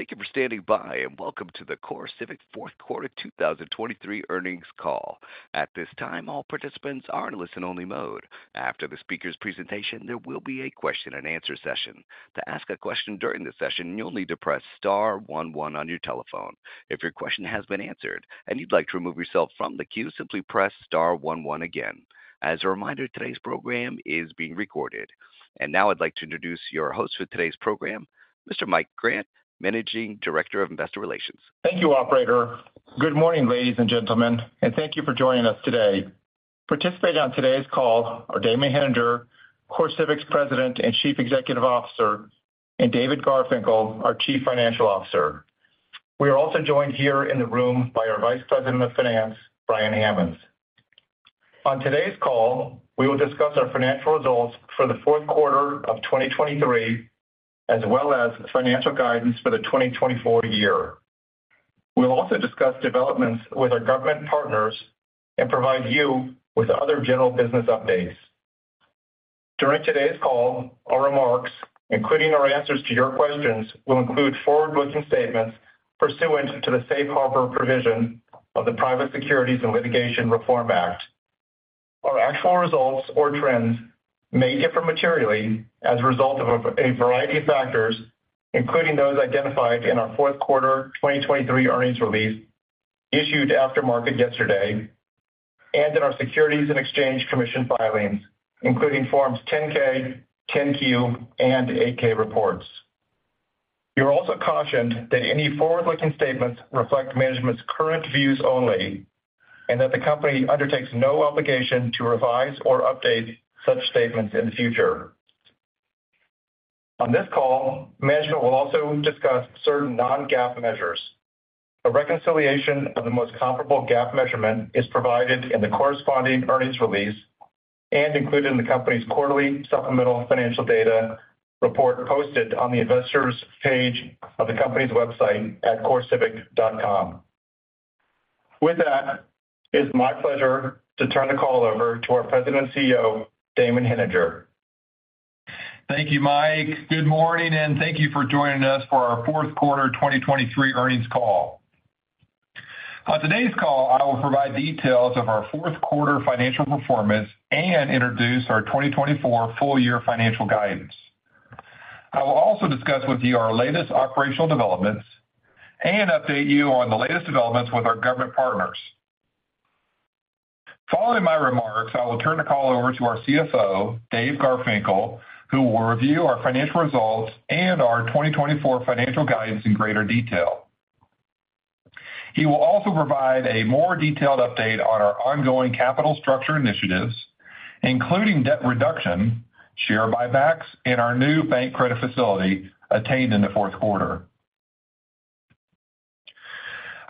Thank you for standing by, and welcome to the CoreCivic Fourth Quarter 2023 earnings call. At this time, all participants are in listen-only mode. After the speaker's presentation, there will be a question-and-answer session. To ask a question during the session, you'll need to press star one one on your telephone. If your question has been answered and you'd like to remove yourself from the queue, simply press star one one again. As a reminder, today's program is being recorded. Now I'd like to introduce your host for today's program, Mr. Mike Grant, Managing Director of Investor Relations. Thank you, operator. Good morning, ladies and gentlemen, and thank you for joining us today. Participating on today's call are Damon Hininger, CoreCivic's President and Chief Executive Officer, and David Garfinkle, our Chief Financial Officer. We are also joined here in the room by our Vice President of Finance, Brian Hammonds. On today's call, we will discuss our financial results for the fourth quarter of 2023, as well as financial guidance for the 2024 year. We'll also discuss developments with our government partners and provide you with other general business updates. During today's call, our remarks, including our answers to your questions, will include forward-looking statements pursuant to the safe harbor provision of the Private Securities and Litigation Reform Act. Our actual results or trends may differ materially as a result of a variety of factors, including those identified in our fourth quarter 2023 earnings release issued after market yesterday, and in our Securities and Exchange Commission filings, including Forms 10-K, 10-Q, and 8-K reports. You're also cautioned that any forward-looking statements reflect management's current views only, and that the company undertakes no obligation to revise or update such statements in the future. On this call, management will also discuss certain non-GAAP measures. A reconciliation of the most comparable GAAP measurement is provided in the corresponding earnings release and included in the company's quarterly supplemental financial data report posted on the investors page of the company's website at corecivic.com. With that, it's my pleasure to turn the call over to our President and CEO, Damon Hininger. Thank you, Mike. Good morning, and thank you for joining us for our fourth quarter 2023 earnings call. On today's call, I will provide details of our fourth quarter financial performance and introduce our 2024 full year financial guidance. I will also discuss with you our latest operational developments and update you on the latest developments with our government partners. Following my remarks, I will turn the call over to our CFO, Dave Garfinkle, who will review our financial results and our 2024 financial guidance in greater detail. He will also provide a more detailed update on our ongoing capital structure initiatives, including debt reduction, share buybacks, and our new bank credit facility attained in the fourth quarter.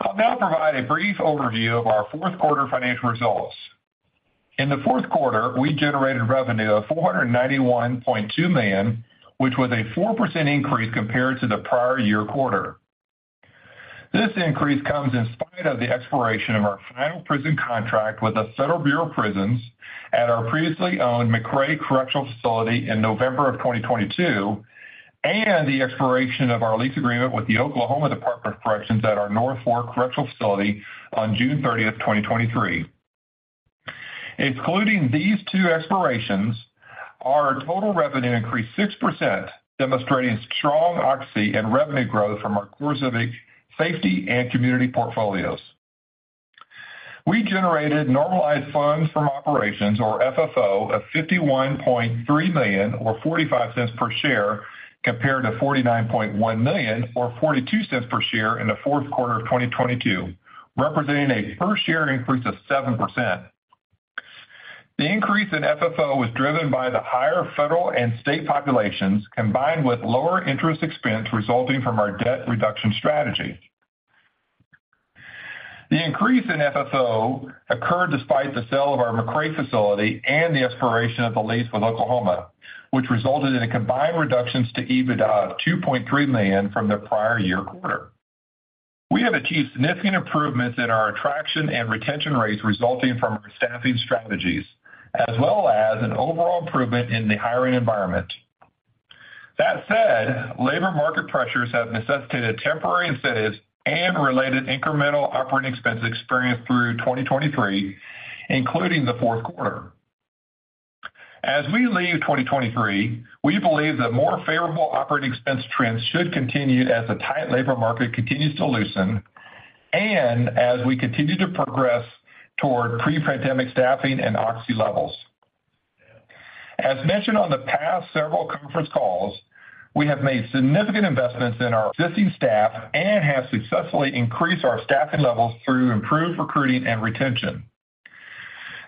I'll now provide a brief overview of our fourth quarter financial results. In the fourth quarter, we generated revenue of $491.2 million, which was a 4% increase compared to the prior year quarter. This increase comes in spite of the expiration of our final prison contract with the Federal Bureau of Prisons at our previously owned McRae Correctional Facility in November 2022, and the expiration of our lease agreement with the Oklahoma Department of Corrections at our North Fork Correctional Facility on June 30, 2023. Including these two expirations, our total revenue increased 6%, demonstrating strong Occi and revenue growth from our CoreCivic Safety and Community portfolios. We generated normalized funds from operations, or FFO, of $51.3 million, or $0.45 per share, compared to $49.1 million, or $0.42 per share in the fourth quarter of 2022, representing a first year increase of 7%. The increase in FFO was driven by the higher federal and state populations, combined with lower interest expense resulting from our debt reduction strategy. The increase in FFO occurred despite the sale of our McRae facility and the expiration of the lease with Oklahoma, which resulted in a combined reductions to EBITDA of $2.3 million from the prior year quarter. We have achieved significant improvements in our attraction and retention rates resulting from our staffing strategies, as well as an overall improvement in the hiring environment. That said, labor market pressures have necessitated temporary incentives and related incremental operating expenses experienced through 2023, including the fourth quarter. As we leave 2023, we believe that more favorable operating expense trends should continue as the tight labor market continues to loosen and as we continue to progress toward pre-pandemic staffing and Occi levels. As mentioned on the past several conference calls, we have made significant investments in our existing staff and have successfully increased our staffing levels through improved recruiting and retention.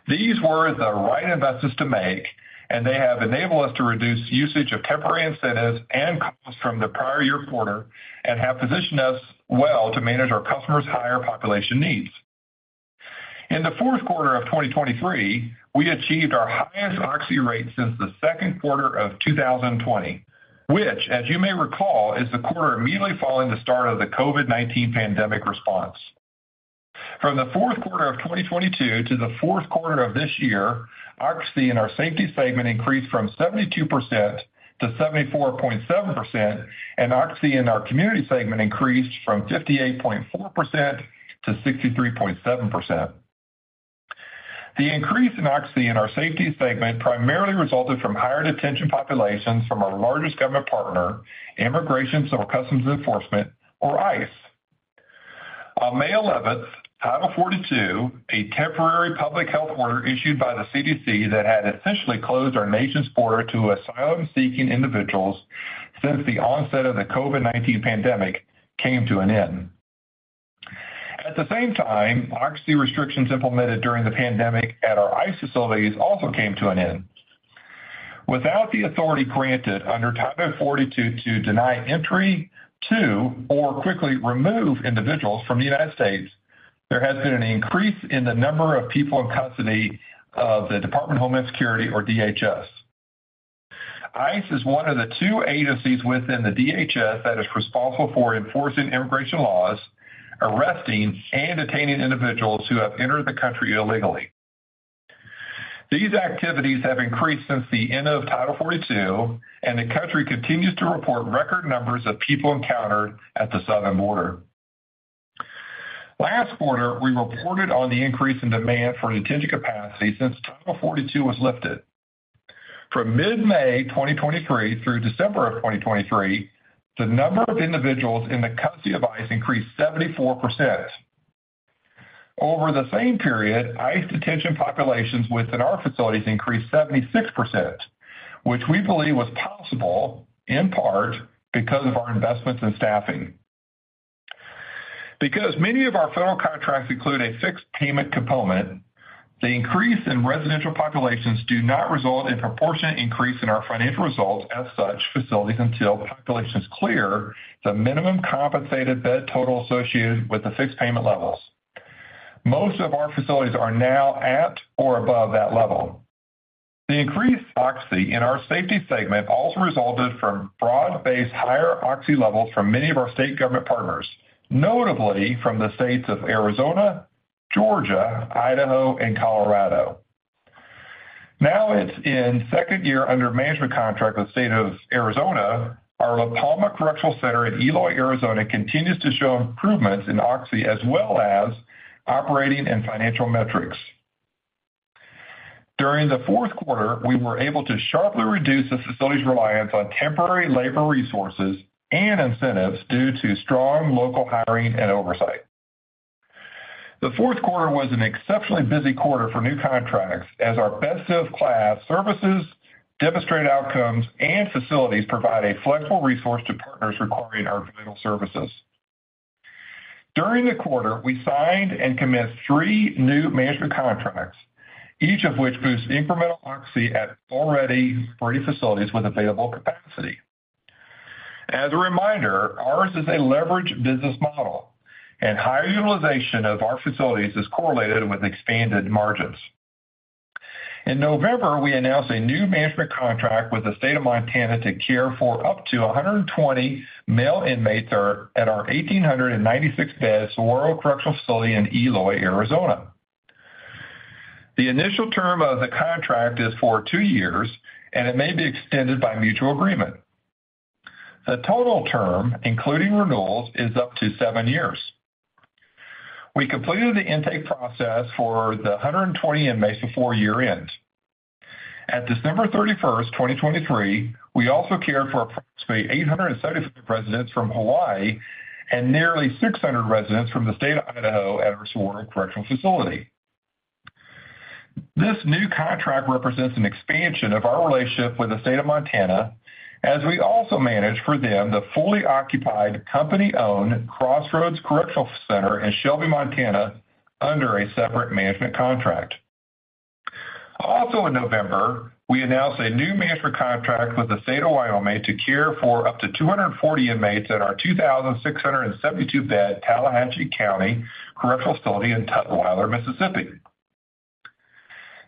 These were the right investments to make, and they have enabled us to reduce usage of temporary incentives and costs from the prior year quarter and have positioned us well to manage our customers' higher population needs. In the fourth quarter of 2023, we achieved our highest Occi rate since the second quarter of 2020, which, as you may recall, is the quarter immediately following the start of the COVID-19 pandemic response. From the fourth quarter of 2022 to the fourth quarter of this year, Occi in our safety segment increased from 72% to 74.7%, and Occi in our community segment increased from 58.4% to 63.7%. The increase in Occi in our safety segment primarily resulted from higher detention populations from our largest government partner, Immigration and Customs Enforcement, or ICE. On May 11th, Title 42, a temporary public health order issued by the CDC that had essentially closed our nation's border to asylum-seeking individuals since the onset of the COVID-19 pandemic, came to an end. At the same time, Occi restrictions implemented during the pandemic at our ICE facilities also came to an end. Without the authority granted under Title 42 to deny entry to or quickly remove individuals from the United States, there has been an increase in the number of people in custody of the Department of Homeland Security, or DHS. ICE is one of the two agencies within the DHS that is responsible for enforcing immigration laws, arresting, and detaining individuals who have entered the country illegally. These activities have increased since the end of Title 42, and the country continues to report record numbers of people encountered at the southern border. Last quarter, we reported on the increase in demand for detention capacity since Title 42 was lifted. From mid-May 2023 through December 2023, the number of individuals in the custody of ICE increased 74%. Over the same period, ICE detention populations within our facilities increased 76%, which we believe was possible, in part, because of our investments in staffing. Because many of our federal contracts include a fixed payment component, the increase in residential populations do not result in proportionate increase in our financial results as such facilities until the populations clear the minimum compensated bed total associated with the fixed payment levels. Most of our facilities are now at or above that level. The increased Occi in our safety segment also resulted from broad-based, higher Occi levels from many many of our state government partners, notably from the states of Arizona, Georgia, Idaho, and Colorado. Now it's in second year under management contract with the State of Arizona, our La Palma Correctional Center in Eloy, Arizona, continues to show improvements in Occi as well as operating and financial metrics. During the fourth quarter, we were able to sharply reduce the facility's reliance on temporary labor resources and incentives due to strong local hiring and oversight. The fourth quarter was an exceptionally busy quarter for new contracts as our best-of-class services demonstrate outcomes and facilities provide a flexible resource to partners requiring our vital services. During the quarter, we signed and commenced three new management contracts, each of which boosts incremental Occi at already free facilities with available capacity. As a reminder, ours is a leveraged business model, and higher utilization of our facilities is correlated with expanded margins. In November, we announced a new management contract with the State of Montana to care for up to 120 male inmates at our 1,896-bed Saguaro Correctional Facility in Eloy, Arizona. The initial term of the contract is for two years, and it may be extended by mutual agreement. The total term, including renewals, is up to seven years. We completed the intake process for the 120 inmates before year-end. At December 31st, 2023, we also cared for approximately 870 residents from Hawaii and nearly 600 residents from the State of Idaho at our Saguaro Correctional Facility. This new contract represents an expansion of our relationship with the State of Montana, as we also manage for them the fully occupied, company-owned Crossroads Correctional Center in Shelby, Montana, under a separate management contract. Also in November, we announced a new management contract with the State of Wyoming to care for up to 240 inmates at our 2,672-bed Tallahatchie County Correctional Facility in Tutwiler, Mississippi.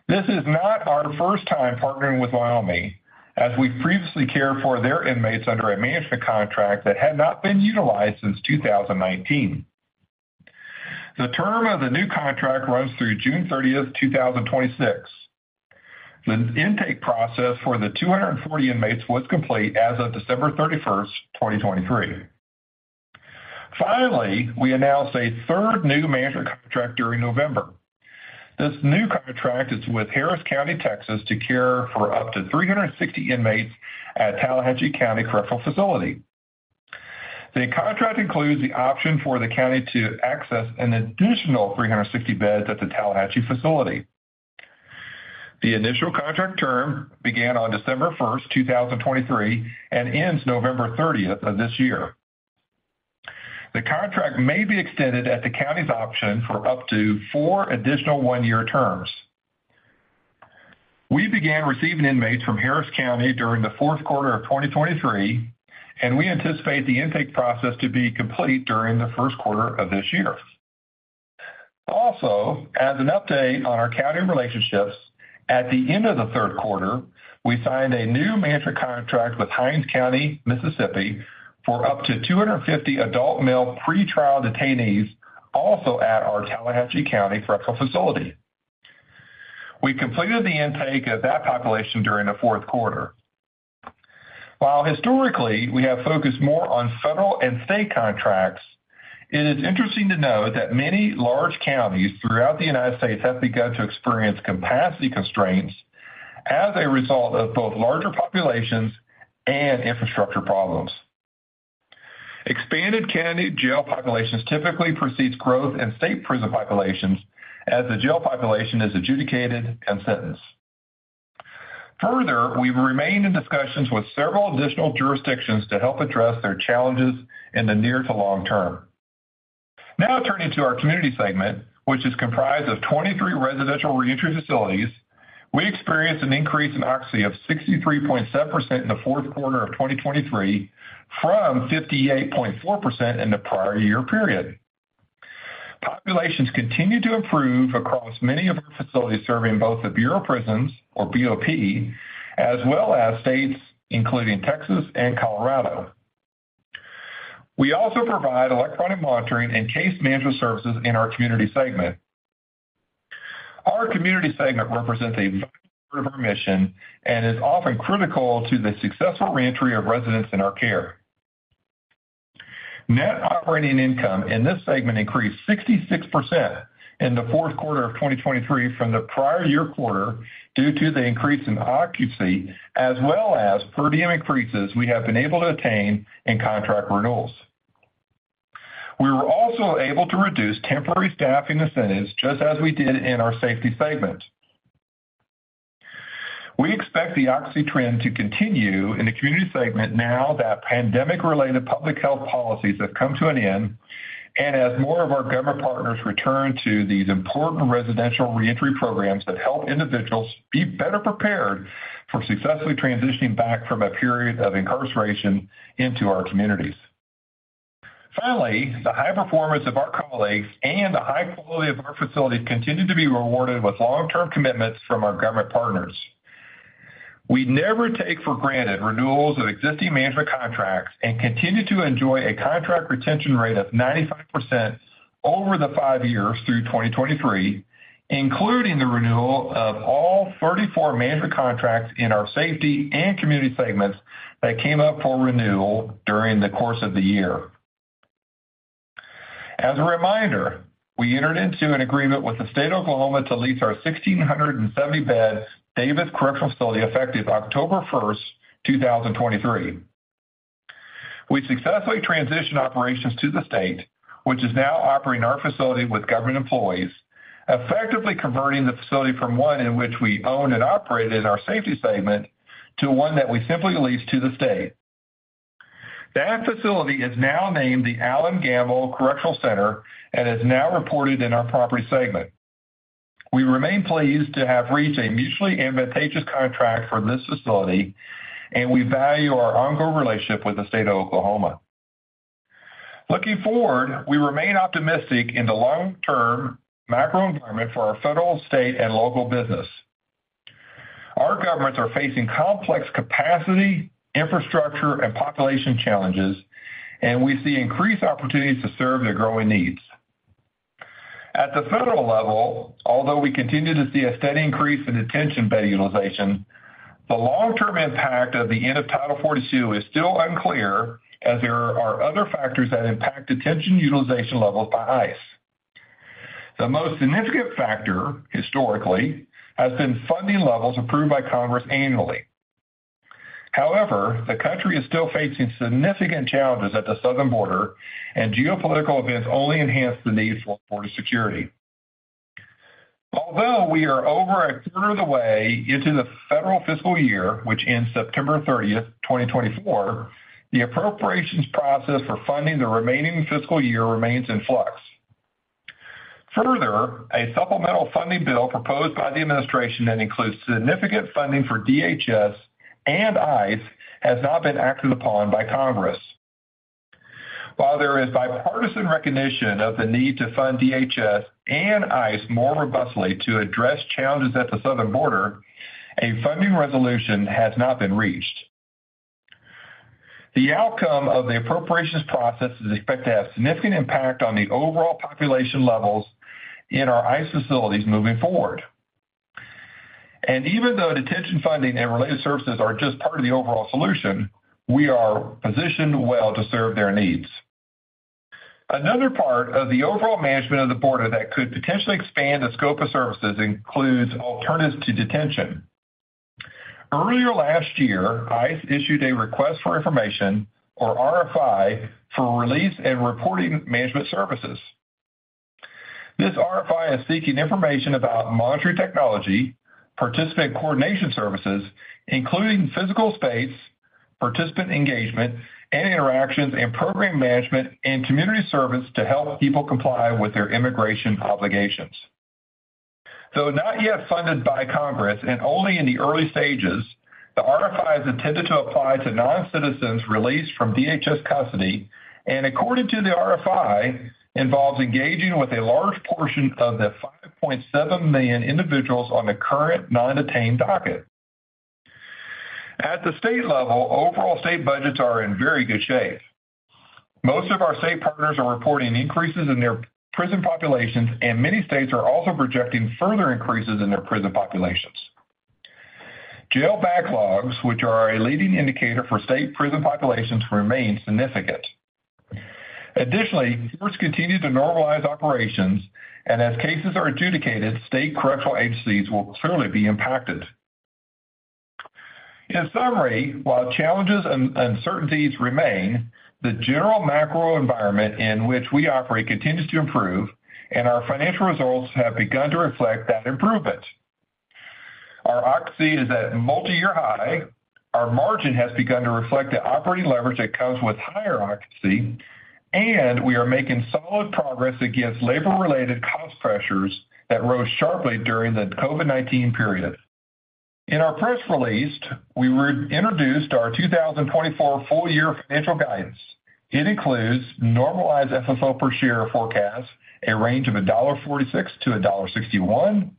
This is not our first time partnering with Wyoming, as we previously cared for their inmates under a management contract that had not been utilized since 2019. The term of the new contract runs through June 30th, 2026. The intake process for the 240 inmates was complete as of December 31st, 2023. Finally, we announced a third new management contract during November. This new contract is with Harris County, Texas, to care for up to 360 inmates at Tallahatchie County Correctional Facility. The contract includes the option for the county to access an additional 360 beds at the Tallahatchie facility. The initial contract term began on December 1st, 2023, and ends November 30th of this year. The contract may be extended at the county's option for up to 4 additional one-year terms. We began receiving inmates from Harris County during the fourth quarter of 2023, and we anticipate the intake process to be complete during the first quarter of this year. Also, as an update on our county relationships, at the end of the third quarter, we signed a new management contract with Hinds County, Mississippi. for up to 250 adult male pretrial detainees, also at our Tallahatchie County Correctional Facility. We completed the intake of that population during the fourth quarter. While historically, we have focused more on federal and state contracts, it is interesting to note that many large counties throughout the United States have begun to experience capacity constraints as a result of both larger populations and infrastructure problems. Expanded county jail populations typically precedes growth in state prison populations as the jail population is adjudicated and sentenced. Further, we've remained in discussions with several additional jurisdictions to help address their challenges in the near to long term. Now turning to our community segment, which is comprised of 23 residential reentry facilities, we experienced an increase in occupancy of 63.7% in the fourth quarter of 2023, from 58.4% in the prior year period. Populations continue to improve across many of our facilities, serving both the Bureau of Prisons, or BOP, as well as states including Texas and Colorado. We also provide electronic monitoring and case management services in our community segment. Our community segment represents a vital part of our mission and is often critical to the successful reentry of residents in our care. Net operating income in this segment increased 66% in the fourth quarter of 2023 from the prior year quarter due to the increase in occupancy as well as per diem increases we have been able to attain in contract renewals. We were also able to reduce temporary staffing incentives, just as we did in our safety segment. We expect the occupancy trend to continue in the community segment now that pandemic-related public health policies have come to an end, and as more of our government partners return to these important residential reentry programs that help individuals be better prepared for successfully transitioning back from a period of incarceration into our communities. Finally, the high performance of our colleagues and the high quality of our facilities continue to be rewarded with long-term commitments from our government partners. We never take for granted renewals of existing management contracts and continue to enjoy a contract retention rate of 95% over the five years through 2023, including the renewal of all 34 management contracts in our safety and community segments that came up for renewal during the course of the year. As a reminder, we entered into an agreement with the state of Oklahoma to lease our 1,670-bed Davis Correctional Facility effective October 1st, 2023. We successfully transitioned operations to the state, which is now operating our facility with government employees, effectively converting the facility from one in which we owned and operated in our safety segment, to one that we simply lease to the state. That facility is now named the Allen Gamble Correctional Center and is now reported in our property segment. We remain pleased to have reached a mutually advantageous contract for this facility, and we value our ongoing relationship with the state of Oklahoma. Looking forward, we remain optimistic in the long-term macro environment for our federal, state, and local business. Our governments are facing complex capacity, infrastructure, and population challenges, and we see increased opportunities to serve their growing needs. At the federal level, although we continue to see a steady increase in detention bed utilization, the long-term impact of the end of Title 42 is still unclear, as there are other factors that impact detention utilization levels by ICE. The most significant factor, historically, has been funding levels approved by Congress annually. However, the country is still facing significant challenges at the southern border, and geopolitical events only enhance the need for border security. Although we are over a third of the way into the federal fiscal year, which ends September 30th, 2024, the appropriations process for funding the remaining fiscal year remains in flux. Further, a supplemental funding bill proposed by the administration that includes significant funding for DHS and ICE has not been acted upon by Congress. While there is bipartisan recognition of the need to fund DHS and ICE more robustly to address challenges at the southern border, a funding resolution has not been reached. The outcome of the appropriations process is expected to have significant impact on the overall population levels in our ICE facilities moving forward. Even though detention funding and related services are just part of the overall solution, we are positioned well to serve their needs. Another part of the overall management of the border that could potentially expand the scope of services includes alternatives to detention. Earlier last year, ICE issued a request for information, or RFI, for release and reporting management services. This RFI is seeking information about monitoring technology, participant coordination services, including physical space, participant engagement and interactions, and program management and community service to help people comply with their immigration obligations. Though not yet funded by Congress and only in the early stages, the RFI is intended to apply to non-citizens released from DHS custody, and according to the RFI, involves engaging with a large portion of the 5.7 million individuals on the current non-detained docket. At the state level, overall state budgets are in very good shape. Most of our state partners are reporting increases in their prison populations, and many states are also projecting further increases in their prison populations. Jail backlogs, which are a leading indicator for state prison populations, remain significant. Additionally, courts continue to normalize operations, and as cases are adjudicated, state correctional agencies will certainly be impacted. In summary, while challenges and uncertainties remain, the general macro environment in which we operate continues to improve, and our financial results have begun to reflect that improvement. Our occupancy is at a multi-year high, our margin has begun to reflect the operating leverage that comes with higher occupancy, and we are making solid progress against labor-related cost pressures that rose sharply during the COVID-19 period. In our press release, we re-introduced our 2024 full year financial guidance. It includes normalized FFO per share forecast, a range of $1.46-$1.61,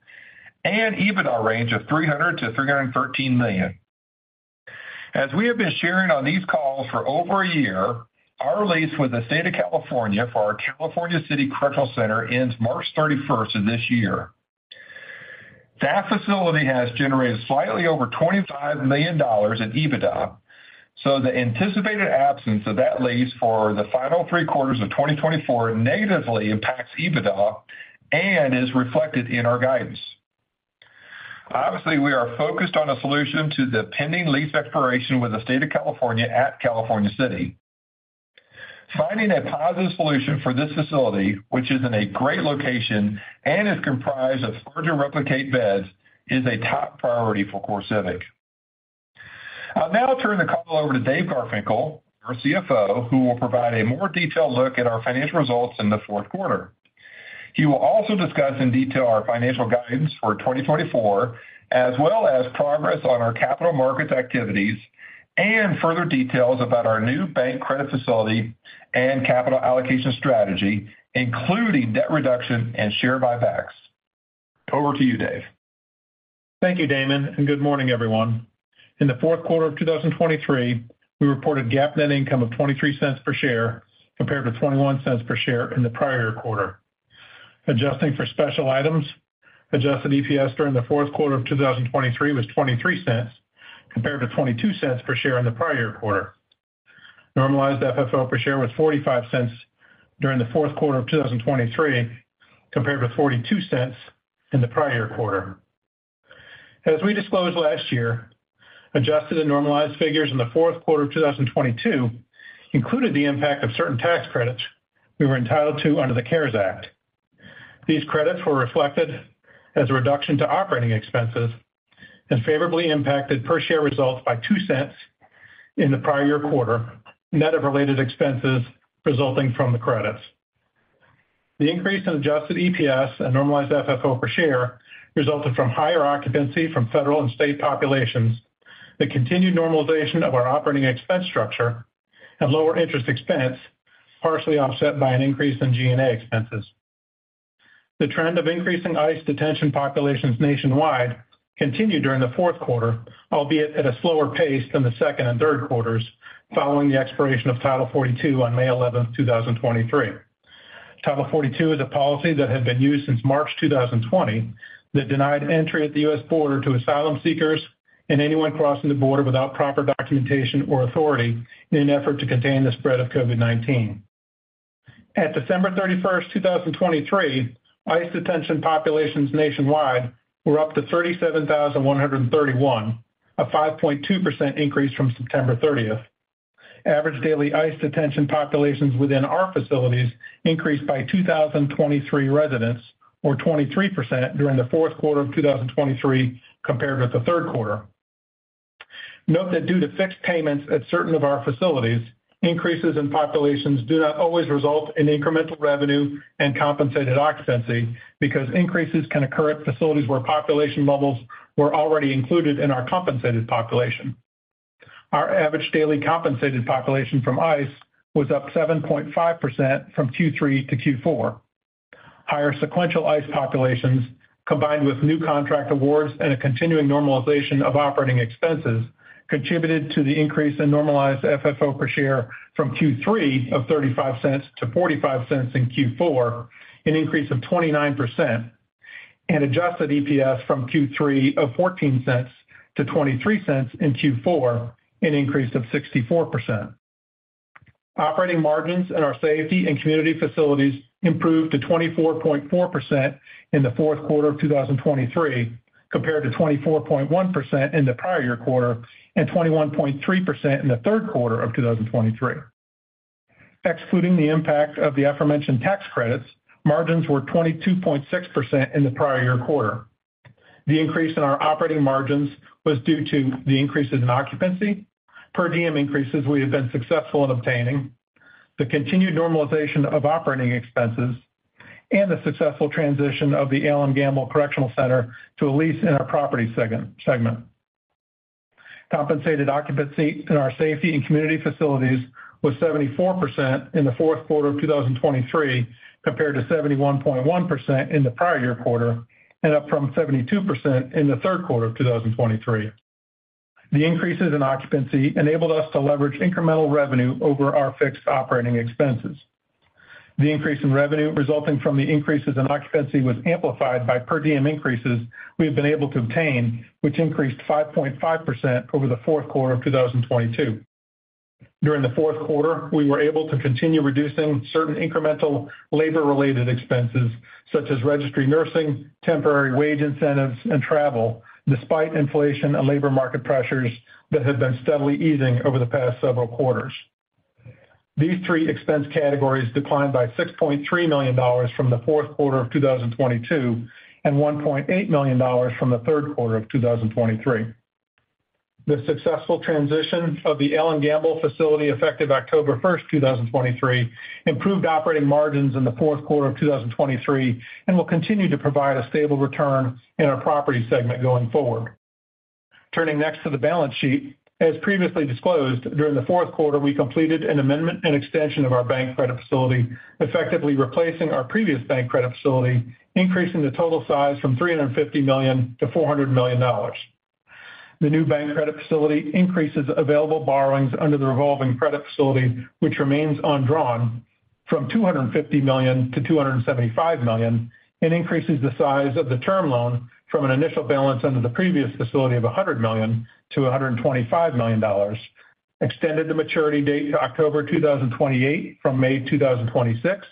and EBITDA range of $300 million-$313 million. As we have been sharing on these calls for over a year, our lease with the state of California for our California City Correctional Center ends March 31st of this year. That facility has generated slightly over $25 million in EBITDA, so the anticipated absence of that lease for the final three quarters of 2024 negatively impacts EBITDA and is reflected in our guidance. Obviously, we are focused on a solution to the pending lease expiration with the state of California at California City. Finding a positive solution for this facility, which is in a great location and is comprised of hard-to-replicate beds, is a top priority for CoreCivic. I'll now turn the call over to Dave Garfinkle, our CFO, who will provide a more detailed look at our financial results in the fourth quarter. He will also discuss in detail our financial guidance for 2024, as well as progress on our capital markets activities and further details about our new bank credit facility and capital allocation strategy, including debt reduction and share buybacks. Over to you, Dave. Thank you, Damon, and good morning, everyone. In the fourth quarter of 2023, we reported GAAP net income of $0.23 per share, compared to $0.21 per share in the prior quarter. Adjusting for special items, adjusted EPS during the fourth quarter of 2023 was $0.23, compared to $0.22 per share in the prior year quarter. Normalized FFO per share was $0.45 during the fourth quarter of 2023, compared with $0.42 in the prior quarter. As we disclosed last year, adjusted and normalized figures in the fourth quarter of 2022 included the impact of certain tax credits we were entitled to under the CARES Act. These credits were reflected as a reduction to operating expenses and favorably impacted per share results by $0.02 in the prior year quarter, net of related expenses resulting from the credits. The increase in adjusted EPS and normalized FFO per share resulted from higher occupancy from federal and state populations, the continued normalization of our operating expense structure and lower interest expense, partially offset by an increase in G&A expenses. The trend of increasing ICE detention populations nationwide continued during the fourth quarter, albeit at a slower pace than the second and third quarters, following the expiration of Title 42 on May 11th, 2023. Title 42 is a policy that had been used since March 2020, that denied entry at the U.S. border to asylum seekers and anyone crossing the border without proper documentation or authority in an effort to contain the spread of COVID-19. At December 31st, 2023, ICE detention populations nationwide were up to 37,131, a 5.2% increase from September 30th. Average daily ICE detention populations within our facilities increased by 2,023 residents, or 23%, during the fourth quarter of 2023 compared with the third quarter. Note that due to fixed payments at certain of our facilities, increases in populations do not always result in incremental revenue and compensated occupancy, because increases can occur at facilities where population levels were already included in our compensated population. Our average daily compensated population from ICE was up 7.5% from Q3 to Q4. Higher sequential ICE populations, combined with new contract awards and a continuing normalization of operating expenses, contributed to the increase in normalized FFO per share from Q3 of $0.35 to $0.45 in Q4, an increase of 29%, and adjusted EPS from Q3 of $0.14 to $0.23 in Q4, an increase of 64%. Operating margins in our safety and community facilities improved to 24.4% in the fourth quarter of 2023, compared to 24.1% in the prior year quarter, and 21.3% in the third quarter of 2023. Excluding the impact of the aforementioned tax credits, margins were 22.6% in the prior year quarter. The increase in our operating margins was due to the increases in occupancy, per diem increases we have been successful in obtaining, the continued normalization of operating expenses, and the successful transition of the Allen Gamble Correctional Center to a lease in our property segment. Compensated occupancy in our safety and community facilities was 74% in the fourth quarter of 2023, compared to 71.1% in the prior year quarter, and up from 72% in the third quarter of 2023. The increases in occupancy enabled us to leverage incremental revenue over our fixed operating expenses. The increase in revenue resulting from the increases in occupancy was amplified by per diem increases we have been able to obtain, which increased 5.5% over the fourth quarter of 2022. During the fourth quarter, we were able to continue reducing certain incremental labor-related expenses, such as registry nursing, temporary wage incentives, and travel, despite inflation and labor market pressures that have been steadily easing over the past several quarters. These three expense categories declined by $6.3 million from the fourth quarter of 2022, and $1.8 million from the third quarter of 2023. The successful transition of the Allen Gamble facility, effective October 1st, 2023, improved operating margins in the fourth quarter of 2023, and will continue to provide a stable return in our property segment going forward. Turning next to the balance sheet. As previously disclosed, during the fourth quarter, we completed an amendment and extension of our bank credit facility, effectively replacing our previous bank credit facility, increasing the total size from $350 million to $400 million. The new bank credit facility increases available borrowings under the revolving credit facility, which remains undrawn, from $250 million to $275 million, and increases the size of the term loan from an initial balance under the previous facility of $100 million to $125 million dollars, extended the maturity date to October 2028 from May 2026,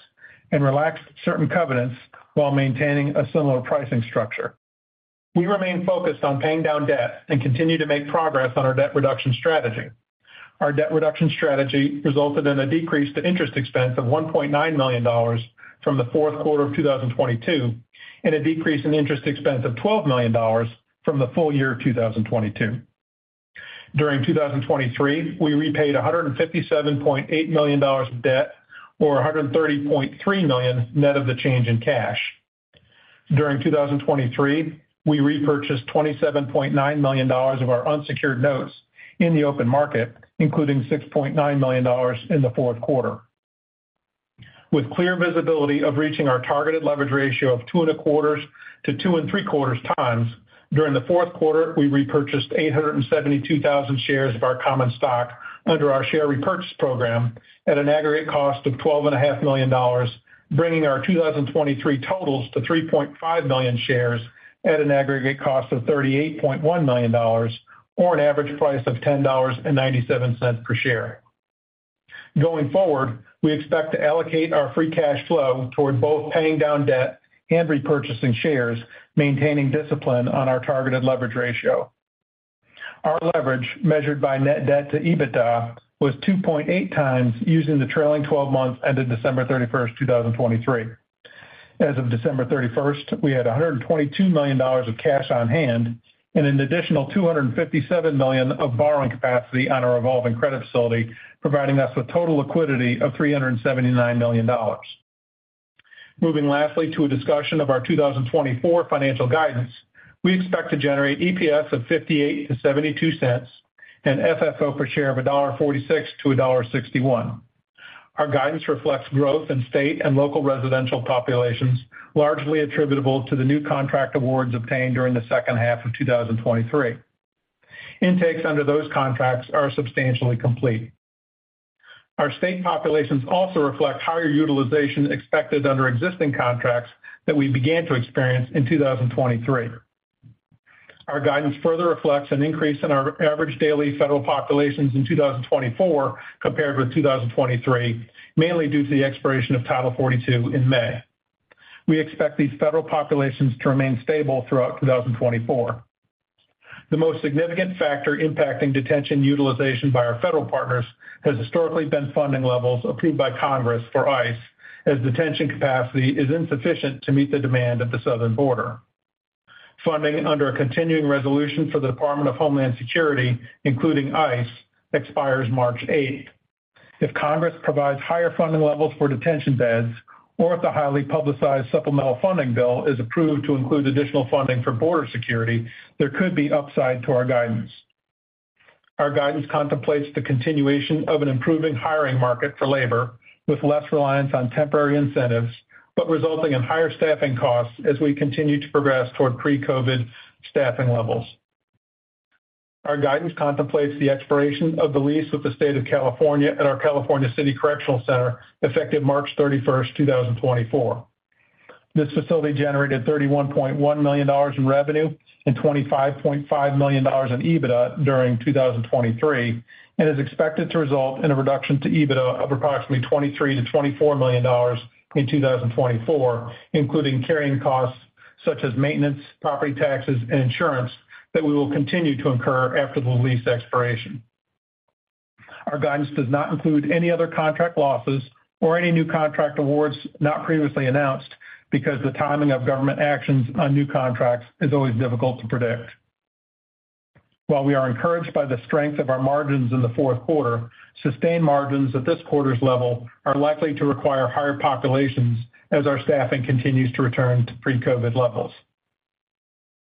and relaxed certain covenants while maintaining a similar pricing structure. We remain focused on paying down debt and continue to make progress on our debt reduction strategy. Our debt reduction strategy resulted in a decrease to interest expense of $1.9 million from the fourth quarter of 2022, and a decrease in interest expense of $12 million from the full year of 2022. During 2023, we repaid $157.8 million of debt, or $130.3 million, net of the change in cash. During 2023, we repurchased $27.9 million of our unsecured notes in the open market, including $6.9 million in the fourth quarter. With clear visibility of reaching our targeted leverage ratio of 2.25x-2.75x, during the fourth quarter, we repurchased 872,000 shares of our common stock under our share repurchase program at an aggregate cost of $12.5 million, bringing our 2023 totals to 3.5 million shares at an aggregate cost of $38.1 million, or an average price of $10.97 per share. Going forward, we expect to allocate our free cash flow toward both paying down debt and repurchasing shares, maintaining discipline on our targeted leverage ratio. Our leverage, measured by net debt to EBITDA, was 2.8x using the trailing twelve months ended December 31st, 2023. As of December 31st, we had $122 million of cash on hand and an additional $257 million of borrowing capacity on our revolving credit facility, providing us with total liquidity of $379 million. Moving lastly to a discussion of our 2024 financial guidance, we expect to generate EPS of $0.58-$0.72 and FFO per share of $1.46-$1.61. Our guidance reflects growth in state and local residential populations, largely attributable to the new contract awards obtained during the second half of 2023. Intakes under those contracts are substantially complete. Our state populations also reflect higher utilization expected under existing contracts that we began to experience in 2023. Our guidance further reflects an increase in our average daily federal populations in 2024 compared with 2023, mainly due to the expiration of Title 42 in May. We expect these federal populations to remain stable throughout 2024. The most significant factor impacting detention utilization by our federal partners has historically been funding levels approved by Congress for ICE, as detention capacity is insufficient to meet the demand at the southern border. Funding under a continuing resolution for the Department of Homeland Security, including ICE, expires March eighth. If Congress provides higher funding levels for detention beds, or if the highly publicized supplemental funding bill is approved to include additional funding for border security, there could be upside to our guidance. Our guidance contemplates the continuation of an improving hiring market for labor, with less reliance on temporary incentives, but resulting in higher staffing costs as we continue to progress toward pre-COVID staffing levels. Our guidance contemplates the expiration of the lease with the State of California at our California City Correctional Center, effective March 31st, 2024. This facility generated $31.1 million in revenue and $25.5 million in EBITDA during 2023, and is expected to result in a reduction to EBITDA of approximately $23 million-$24 million in 2024, including carrying costs such as maintenance, property taxes, and insurance that we will continue to incur after the lease expiration. Our guidance does not include any other contract losses or any new contract awards not previously announced, because the timing of government actions on new contracts is always difficult to predict. While we are encouraged by the strength of our margins in the fourth quarter, sustained margins at this quarter's level are likely to require higher populations as our staffing continues to return to pre-COVID levels.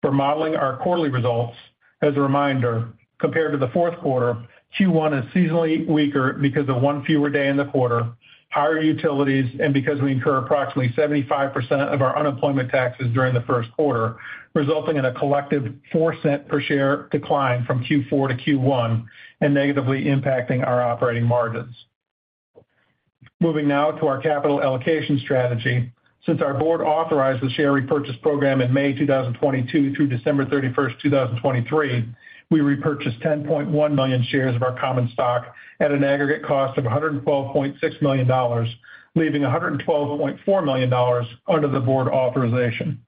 For modeling our quarterly results. As a reminder, compared to the fourth quarter, Q1 is seasonally weaker because of one fewer day in the quarter, higher utilities, and because we incur approximately 75% of our unemployment taxes during the first quarter, resulting in a collective $0.04 per share decline from Q4 to Q1, and negatively impacting our operating margins. Moving now to our capital allocation strategy. Since our board authorized the share repurchase program in May 2022 through December 31st, 2023, we repurchased 10.1 million shares of our common stock at an aggregate cost of $112.6 million, leaving $112.4 million under the board authorization.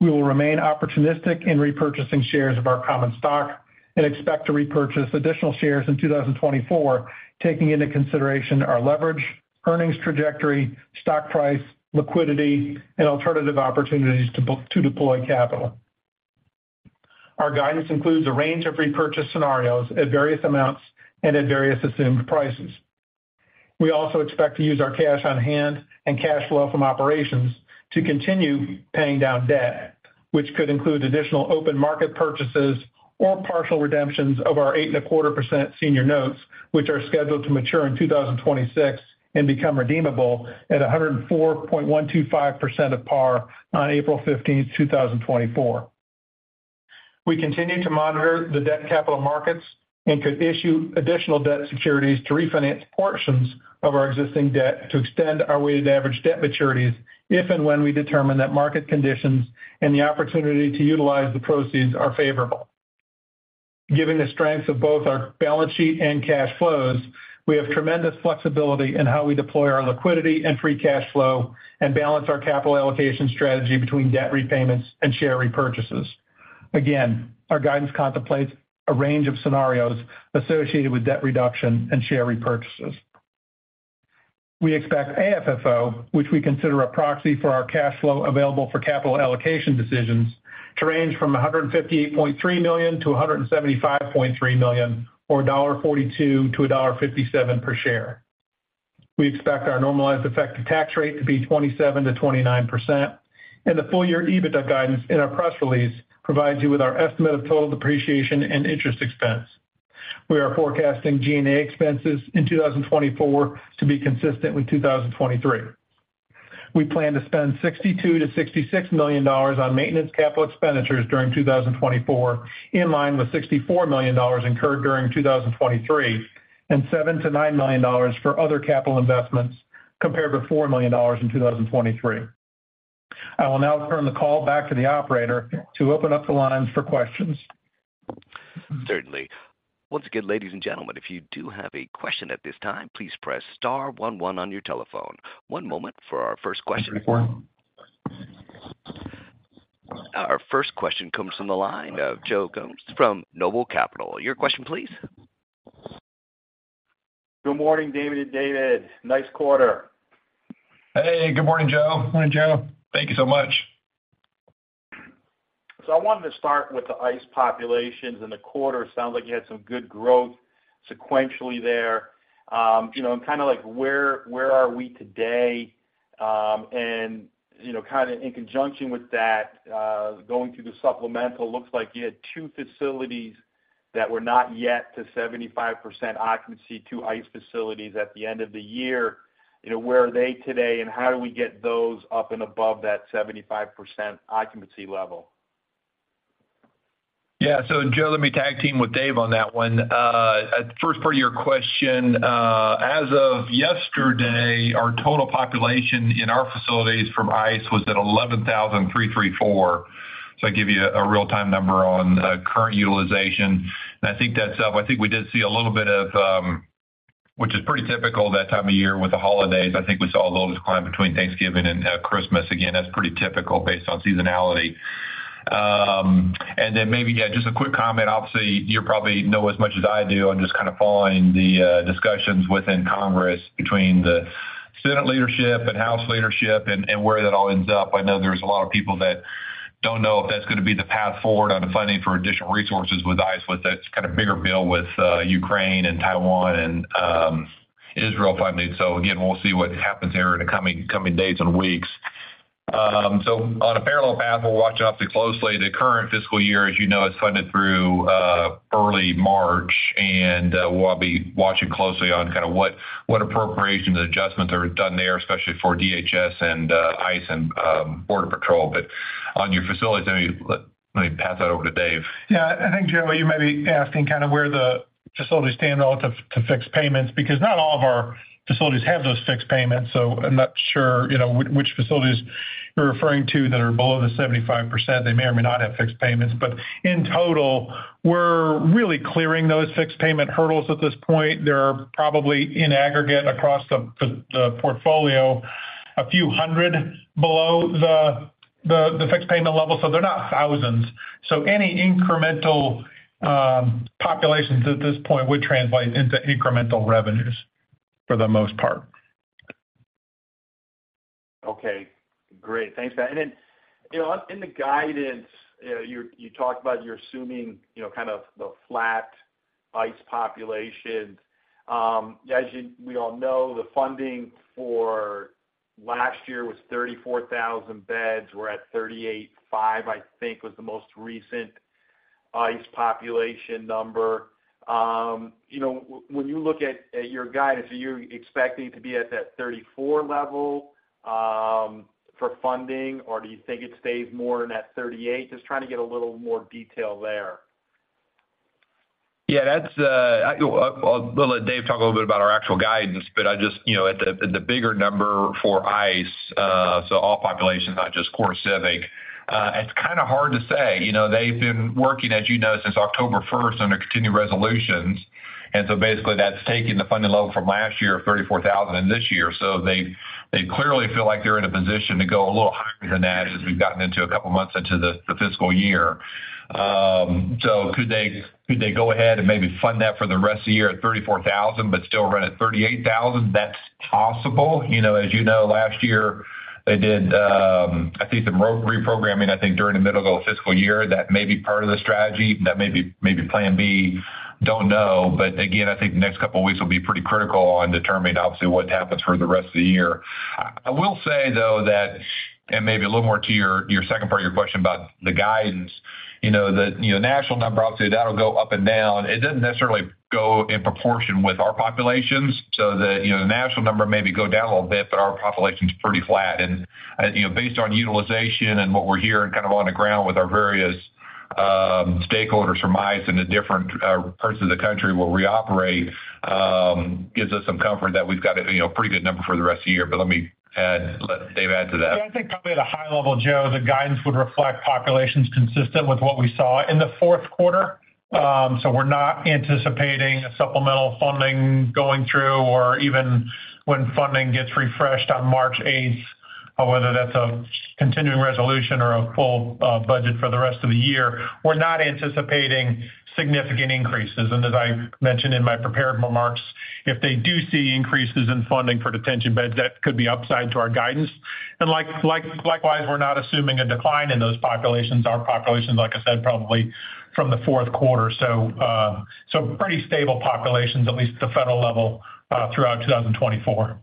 We will remain opportunistic in repurchasing shares of our common stock and expect to repurchase additional shares in 2024, taking into consideration our leverage, earnings trajectory, stock price, liquidity, and alternative opportunities to deploy capital. Our guidance includes a range of repurchase scenarios at various amounts and at various assumed prices. We also expect to use our cash on hand and cash flow from operations to continue paying down debt, which could include additional open market purchases or partial redemptions of our 8.25% senior notes, which are scheduled to mature in 2026 and become redeemable at 104.125% of par on April 15th, 2024. We continue to monitor the debt capital markets and could issue additional debt securities to refinance portions of our existing debt to extend our weighted average debt maturities, if and when we determine that market conditions and the opportunity to utilize the proceeds are favorable. Given the strength of both our balance sheet and cash flows, we have tremendous flexibility in how we deploy our liquidity and free cash flow and balance our capital allocation strategy between debt repayments and share repurchases. Again, our guidance contemplates a range of scenarios associated with debt reduction and share repurchases. We expect AFFO, which we consider a proxy for our cash flow available for capital allocation decisions, to range from $158.3 million-$175.3 million, or $1.42-$1.57 per share. We expect our normalized effective tax rate to be 27%-29%, and the full-year EBITDA guidance in our press release provides you with our estimate of total depreciation and interest expense. We are forecasting G&A expenses in 2024 to be consistent with 2023. We plan to spend $62 million-$66 million on maintenance capital expenditures during 2024, in line with $64 million incurred during 2023, and $7 million-$9 million for other capital investments, compared to $4 million in 2023. I will now turn the call back to the operator to open up the lines for questions. Certainly. Once again, ladies and gentlemen, if you do have a question at this time, please press star one one on your telephone. One moment for our first question. Our first question comes from the line of Joe Gomes from Noble Capital. Your question, please. Good morning, David and David. Nice quarter. Hey, good morning, Joe. Morning, Joe. Thank you so much. So I wanted to start with the ICE populations in the quarter. Sounds like you had some good growth sequentially there. You know, and kind of like where are we today? And, you know, kind of in conjunction with that, going through the supplemental, looks like you had two facilities that were not yet to 75% occupancy, two ICE facilities at the end of the year. You know, where are they today, and how do we get those up and above that 75% occupancy level? Yeah. So Joe, let me tag team with Dave on that one. At the first part of your question, as of yesterday, our total population in our facilities from ICE was at 11,334. So I give you a real-time number on current utilization, and I think that's up. I think we did see a little bit of which is pretty typical that time of year with the holidays. I think we saw a little decline between Thanksgiving and Christmas. Again, that's pretty typical based on seasonality. And then maybe, yeah, just a quick comment. Obviously, you probably know as much as I do on just kind of following the discussions within Congress between the Senate leadership and House leadership and where that all ends up. I know there's a lot of people that don't know if that's gonna be the path forward on the funding for additional resources with ICE, with that kind of bigger bill, with Ukraine and Taiwan and Israel funding. So again, we'll see what happens there in the coming days and weeks. So on a parallel path, we'll watch obviously closely. The current fiscal year, as you know, is funded through early March, and we'll be watching closely on kind of what appropriations adjustments are done there, especially for DHS and ICE and Border Patrol. But on your facilities, let me pass that over to Dave. Yeah, I think, Joe, you may be asking kind of where the facilities stand relative to fixed payments, because not all of our facilities have those fixed payments, so I'm not sure, you know, which facilities you're referring to that are below the 75%. They may or may not have fixed payments. But in total, we're really clearing those fixed payment hurdles at this point. They're probably, in aggregate across the portfolio, a few hundred below the fixed payment level, so they're not thousands. So any incremental populations at this point would translate into incremental revenues, for the most part. Okay, great. Thanks for that. And then, you know, in the guidance, you talked about, you're assuming, you know, kind of the flat, ICE population. As you, we all know, the funding for last year was 34,000 beds. We're at 38,500, I think was the most recent ICE population number. You know, when you look at, at your guidance, are you expecting to be at that 34 level, for funding, or do you think it stays more in that 38? Just trying to get a little more detail there. Yeah, that's, well, I'll let Dave talk a little bit about our actual guidance, but I just, you know, at the bigger number for ICE, so all populations, not just CoreCivic. It's kind of hard to say. You know, they've been working, as you know, since October 1st under continuing resolutions, and so basically that's taking the funding level from last year, 34,000 this year. So they clearly feel like they're in a position to go a little higher than that, as we've gotten into a couple of months into the fiscal year. So could they go ahead and maybe fund that for the rest of the year at 34,000, but still run at 38,000? That's possible. You know, as you know, last year, they did, I think some reprogramming, I think, during the middle of the fiscal year. That may be part of the strategy. That may be, maybe plan B. Don't know. But again, I think the next couple of weeks will be pretty critical on determining obviously, what happens for the rest of the year. I will say, though, that, and maybe a little more to your, your second part of your question about the guidance, you know, the, you know, national number, obviously, that'll go up and down. It doesn't necessarily go in proportion with our populations, so that, you know, the national number maybe go down a little bit, but our population's pretty flat. You know, based on utilization and what we're hearing kind of on the ground with our various stakeholders from ICE in the different parts of the country where we operate, gives us some comfort that we've got a, you know, pretty good number for the rest of the year. But let me add, let Dave add to that. Yeah, I think probably at a high level, Joe, the guidance would reflect populations consistent with what we saw in the fourth quarter. So we're not anticipating a supplemental funding going through or even when funding gets refreshed on March 8th, whether that's a Continuing Resolution or a full budget for the rest of the year. We're not anticipating significant increases. And as I mentioned in my prepared remarks, if they do see increases in funding for detention beds, that could be upside to our guidance. And like, likewise, we're not assuming a decline in those populations. Our populations, like I said, probably from the fourth quarter, so, so pretty stable populations, at least at the federal level, throughout 2024.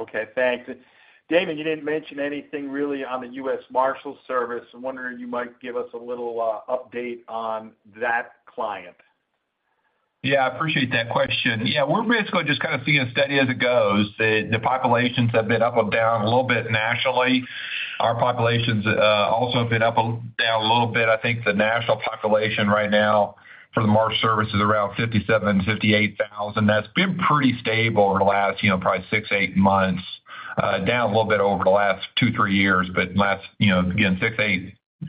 Okay, thanks. Damon, you didn't mention anything really on the U.S. Marshals Service. I'm wondering if you might give us a little update on that client. Yeah, I appreciate that question. Yeah, we're basically just kind of seeing it steady as it goes. The populations have been up and down a little bit nationally. Our populations also have been up and down a little bit. I think the national population right now for the U.S. Marshals Service is around 57,000-58,000. That's been pretty stable over the last, you know, probably 6-8 months. Down a little bit over the last 2-3 years, but last, you know, again,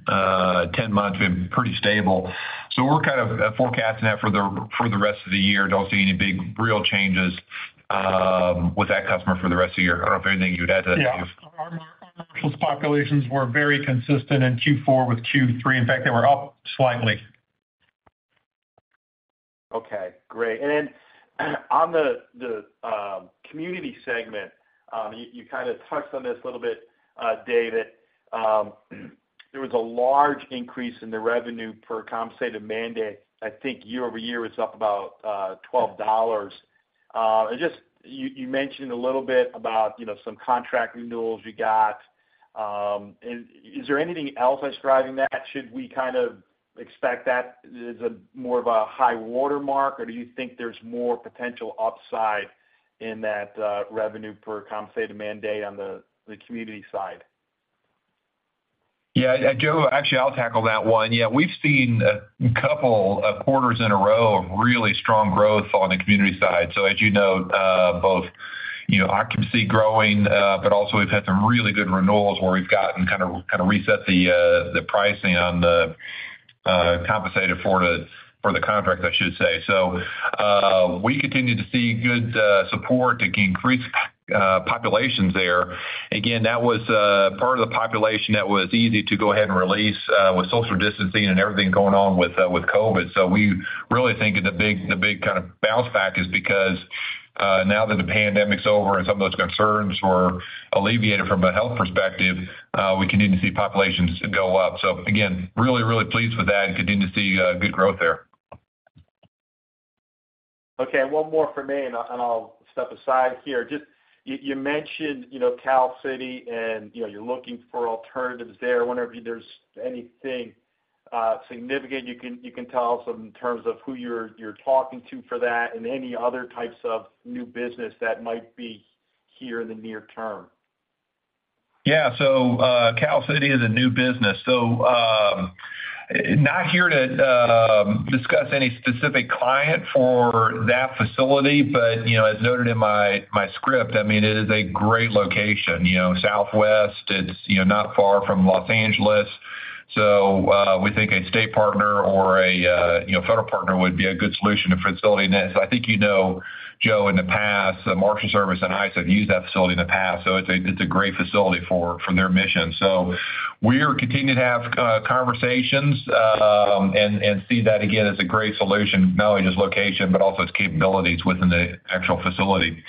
6-8-10 months, been pretty stable. So we're kind of forecasting that for the, for the rest of the year. Don't see any big, real changes with that customer for the rest of the year. I don't know if anything you'd add to that, Dave? Yeah. Our Marshals populations were very consistent in Q4 with Q3. In fact, they were up slightly. Okay, great. And then, on the community segment, you kind of touched on this a little bit, David. There was a large increase in the revenue per compensated man-day. I think year-over-year, it's up about $12. Just you mentioned a little bit about, you know, some contract renewals you got. And is there anything else that's driving that? Should we kind of expect that as more of a high watermark, or do you think there's more potential upside in that revenue per compensated man-day on the community side? Yeah, Joe, actually, I'll tackle that one. Yeah, we've seen a couple of quarters in a row of really strong growth on the community side. So as you know, both, you know, occupancy growing, but also we've had some really good renewals where we've gotten kind of reset the pricing on the compensated for the contract, I should say. So we continue to see good support to increase populations there. Again, that was part of the population that was easy to go ahead and release with social distancing and everything going on with COVID. So we really think that the big kind of bounce back is because now that the pandemic's over and some of those concerns were alleviated from a health perspective, we continue to see populations go up. So again, really, really pleased with that and continue to see good growth there. Okay, one more from me, and I'll step aside here. Just, you mentioned, you know, Cal City and, you know, you're looking for alternatives there. Whenever there's anything significant, you can tell us in terms of who you're talking to for that and any other types of new business that might be here in the near term. Yeah. So, Cal City is a new business. So, not here to discuss any specific client for that facility, but you know, as noted in my, my script, I mean, it is a great location. You know, Southwest, it's, you know, not far from Los Angeles, so, we think a state partner or a, you know, federal partner would be a good solution for facility next. I think, you know, Joe, in the past, the Marshals Service and ICE have used that facility in the past, so it's a, it's a great facility from their mission. So we're continuing to have conversations, and see that again, as a great solution, not only just location, but also its capabilities within the actual facility.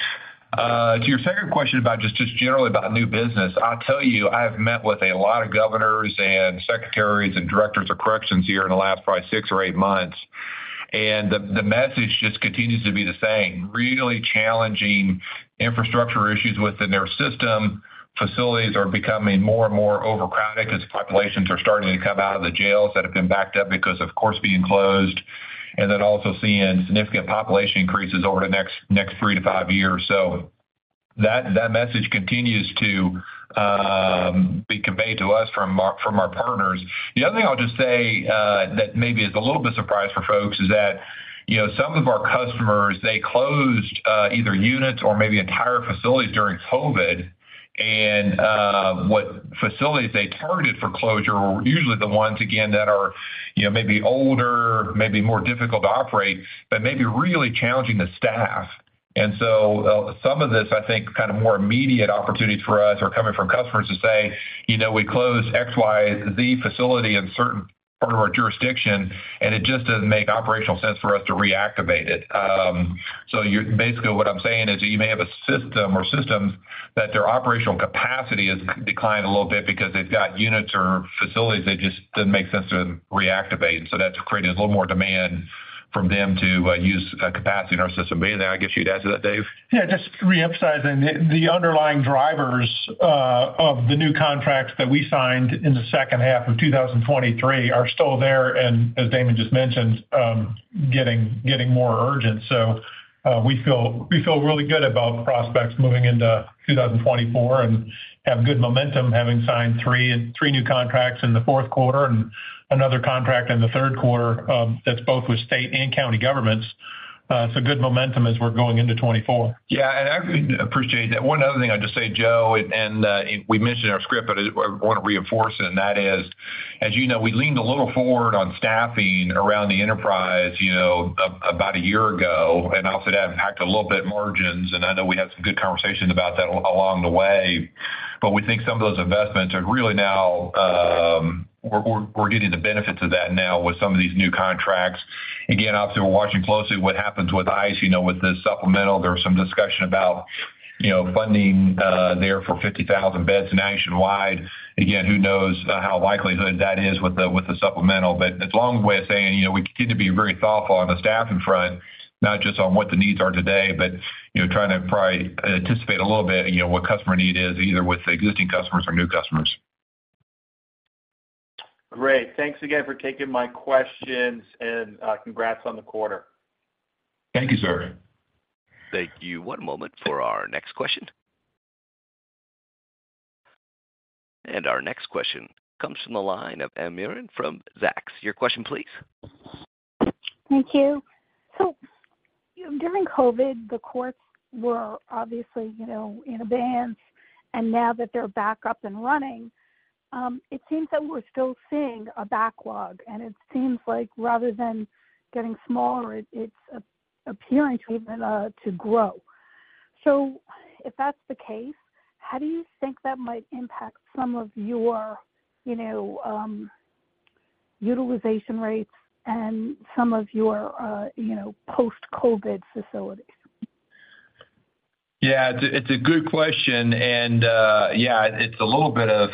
To your second question about just, just generally about new business, I'll tell you, I've met with a lot of governors and secretaries and directors of corrections here in the last probably six or eight months, and the, the message just continues to be the same. Really challenging infrastructure issues within their system. Facilities are becoming more and more overcrowded as populations are starting to come out of the jails that have been backed up because, of course, being closed, and then also seeing significant population increases over the next, next three to five years. So that, that message continues to be conveyed to us from our, from our partners. The other thing I'll just say, that maybe is a little bit surprise for folks is that, you know, some of our customers, they closed, either units or maybe entire facilities during COVID, and, what facilities they targeted for closure were usually the ones, again, that are, you know, maybe older, maybe more difficult to operate, but maybe really challenging to staff. And so some of this, I think, kind of, more immediate opportunities for us are coming from customers who say, "You know, we closed XYZ facility in certain part of our jurisdiction, and it just doesn't make operational sense for us to reactivate it." So you're basically what I'm saying is you may have a system or systems that their operational capacity has declined a little bit because they've got units or facilities that just doesn't make sense to reactivate. So that's created a little more demand from them to use capacity in our system. Anything I guess you'd add to that, Dave? Yeah, just reemphasizing. The underlying drivers of the new contracts that we signed in the second half of 2023 are still there, and as Damon just mentioned, getting more urgent. So, we feel really good about prospects moving into 2024 and have good momentum, having signed three new contracts in the fourth quarter and another contract in the third quarter, that's both with state and county governments. So good momentum as we're going into 2024. Yeah, and I appreciate that. One other thing I'd just say, Joe, and we mentioned in our script, but I wanna reinforce it, and that is, as you know, we leaned a little forward on staffing around the enterprise, you know, about a year ago, and also that impacted a little bit margins, and I know we had some good conversations about that along the way. But we think some of those investments are really now getting the benefits of that now with some of these new contracts. Again, obviously, we're watching closely what happens with ICE. You know, with the supplemental, there was some discussion about, you know, funding there for 50,000 beds nationwide. Again, who knows how likelihood that is with the supplemental? But long way of saying, you know, we continue to be very thoughtful on the staffing front, not just on what the needs are today, but, you know, trying to probably anticipate a little bit, you know, what customer need is, either with existing customers or new customers. Great. Thanks again for taking my questions, and congrats on the quarter. Thank you, sir. Thank you. One moment for our next question. Our next question comes from the line of Marin from Zacks. Your question please. Thank you. So, during COVID, the courts were obviously, you know, in a ban, and now that they're back up and running, it seems that we're still seeing a backlog, and it seems like rather than getting smaller, it's appearing to grow. So if that's the case, how do you think that might impact some of your, you know, utilization rates and some of your, you know, post-COVID facilities? Yeah, it's a, it's a good question, and, yeah, it's a little bit of,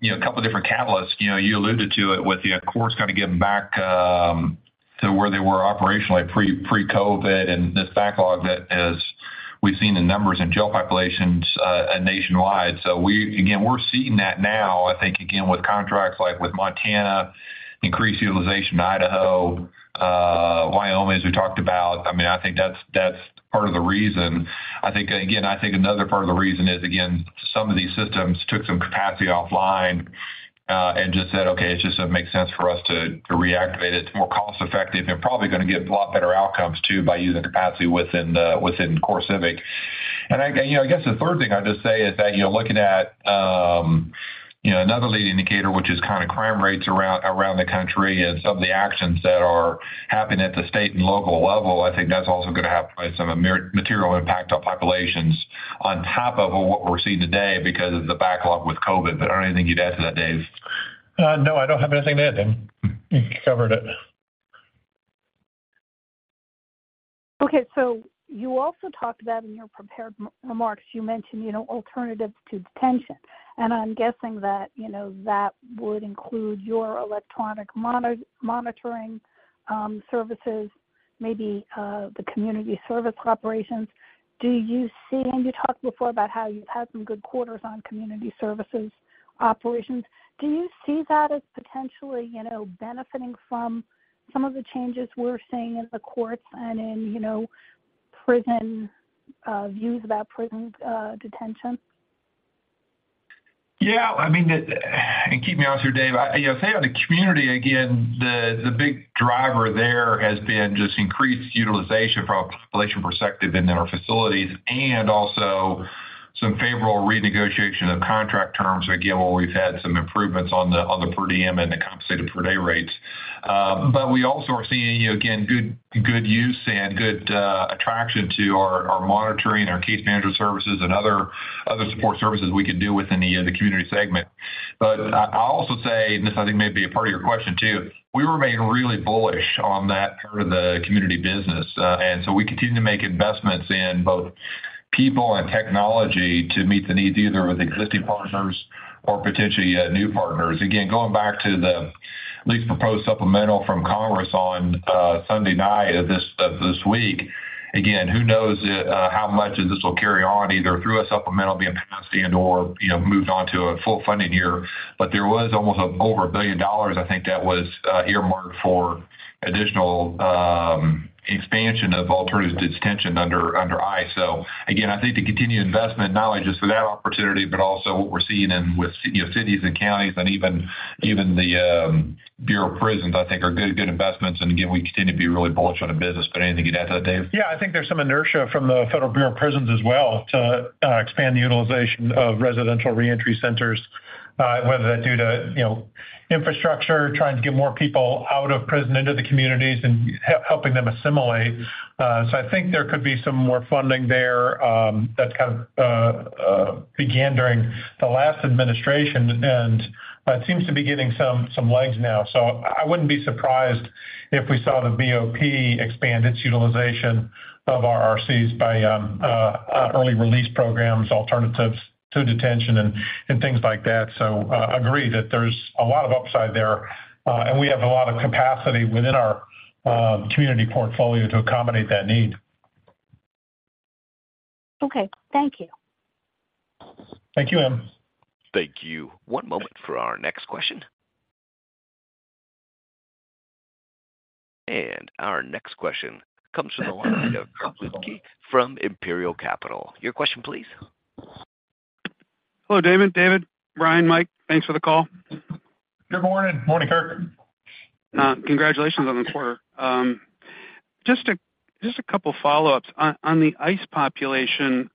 you know, a couple different catalysts. You know, you alluded to it with the courts kind of getting back to where they were operationally pre-COVID, and this backlog that as we've seen the numbers in jail populations nationwide. So we... Again, we're seeing that now, I think, again, with contracts, like with Montana, increased utilization in Idaho, Wyoming, as we talked about. I mean, I think that's part of the reason. I think, again, I think another part of the reason is, again, some of these systems took some capacity offline, and just said, "Okay, it just doesn't make sense for us to reactivate it." It's more cost effective and probably gonna get a lot better outcomes, too, by using capacity within CoreCivic. You know, I guess the third thing I'd just say is that, you know, looking at, you know, another leading indicator, which is kind of crime rates around the country and some of the actions that are happening at the state and local level, I think that's also gonna have some material impact on populations on top of what we're seeing today because of the backlog with COVID. But anything you'd add to that, Dave? No, I don't have anything to add in. You covered it. Okay, so you also talked about in your prepared remarks, you mentioned, you know, alternatives to detention, and I'm guessing that, you know, that would include your electronic monitoring services, maybe the community service operations. Do you see—and you talked before about how you've had some good quarters on community services operations. Do you see that as potentially, you know, benefiting from some of the changes we're seeing in the courts and in, you know, prison views about prison detention? Yeah, I mean, and keep me honest here, Dave. You know, say, on the community, again, the, the big driver there has been just increased utilization from a population perspective in our facilities and also some favorable renegotiation of contract terms, again, where we've had some improvements on the, on the per diem and the compensated per day rates. But we also are seeing, again, good, good use and good attraction to our, our monitoring, our case management services, and other, other support services we can do within the, the community segment. But I, I'll also say, and this, I think, may be a part of your question, too: We remain really bullish on that part of the community business, and so we continue to make investments in both people and technology to meet the needs, either with existing partners or potentially new partners. Again, going back to the latest proposed supplemental from Congress on Sunday night of this week, again, who knows how much of this will carry on, either through a supplemental being passed and/or, you know, moved on to a full funding year. But there was almost over $1 billion, I think, that was earmarked for additional expansion of alternatives to detention under ICE. So again, I think the continued investment, not only just for that opportunity, but also what we're seeing in with, you know, cities and counties and even the Bureau of Prisons, I think are good investments. And again, we continue to be really bullish on the business. But anything you'd add to that, Dave? Yeah, I think there's some inertia from the Federal Bureau of Prisons as well to expand the utilization of residential reentry centers, whether that's due to, you know, infrastructure, trying to get more people out of prison into the communities, and helping them assimilate. So I think there could be some more funding there, that's kind of began during the last administration, and it seems to be getting some legs now. So I wouldn't be surprised if we saw the BOP expand its utilization of RRCs by early release programs, alternatives to detention, and things like that. So agree that there's a lot of upside there, and we have a lot of capacity within our community portfolio to accommodate that need. Okay. Thank you. Thank you, ma'am. Thank you. One moment for our next question. Our next question comes from the line of Kirk Ludtke from Imperial Capital. Your question, please. Hello, David. David, Brian, Mike, thanks for the call. Good morning. Morning, Kirk. Congratulations on the quarter. Just a couple follow-ups. On the ICE population,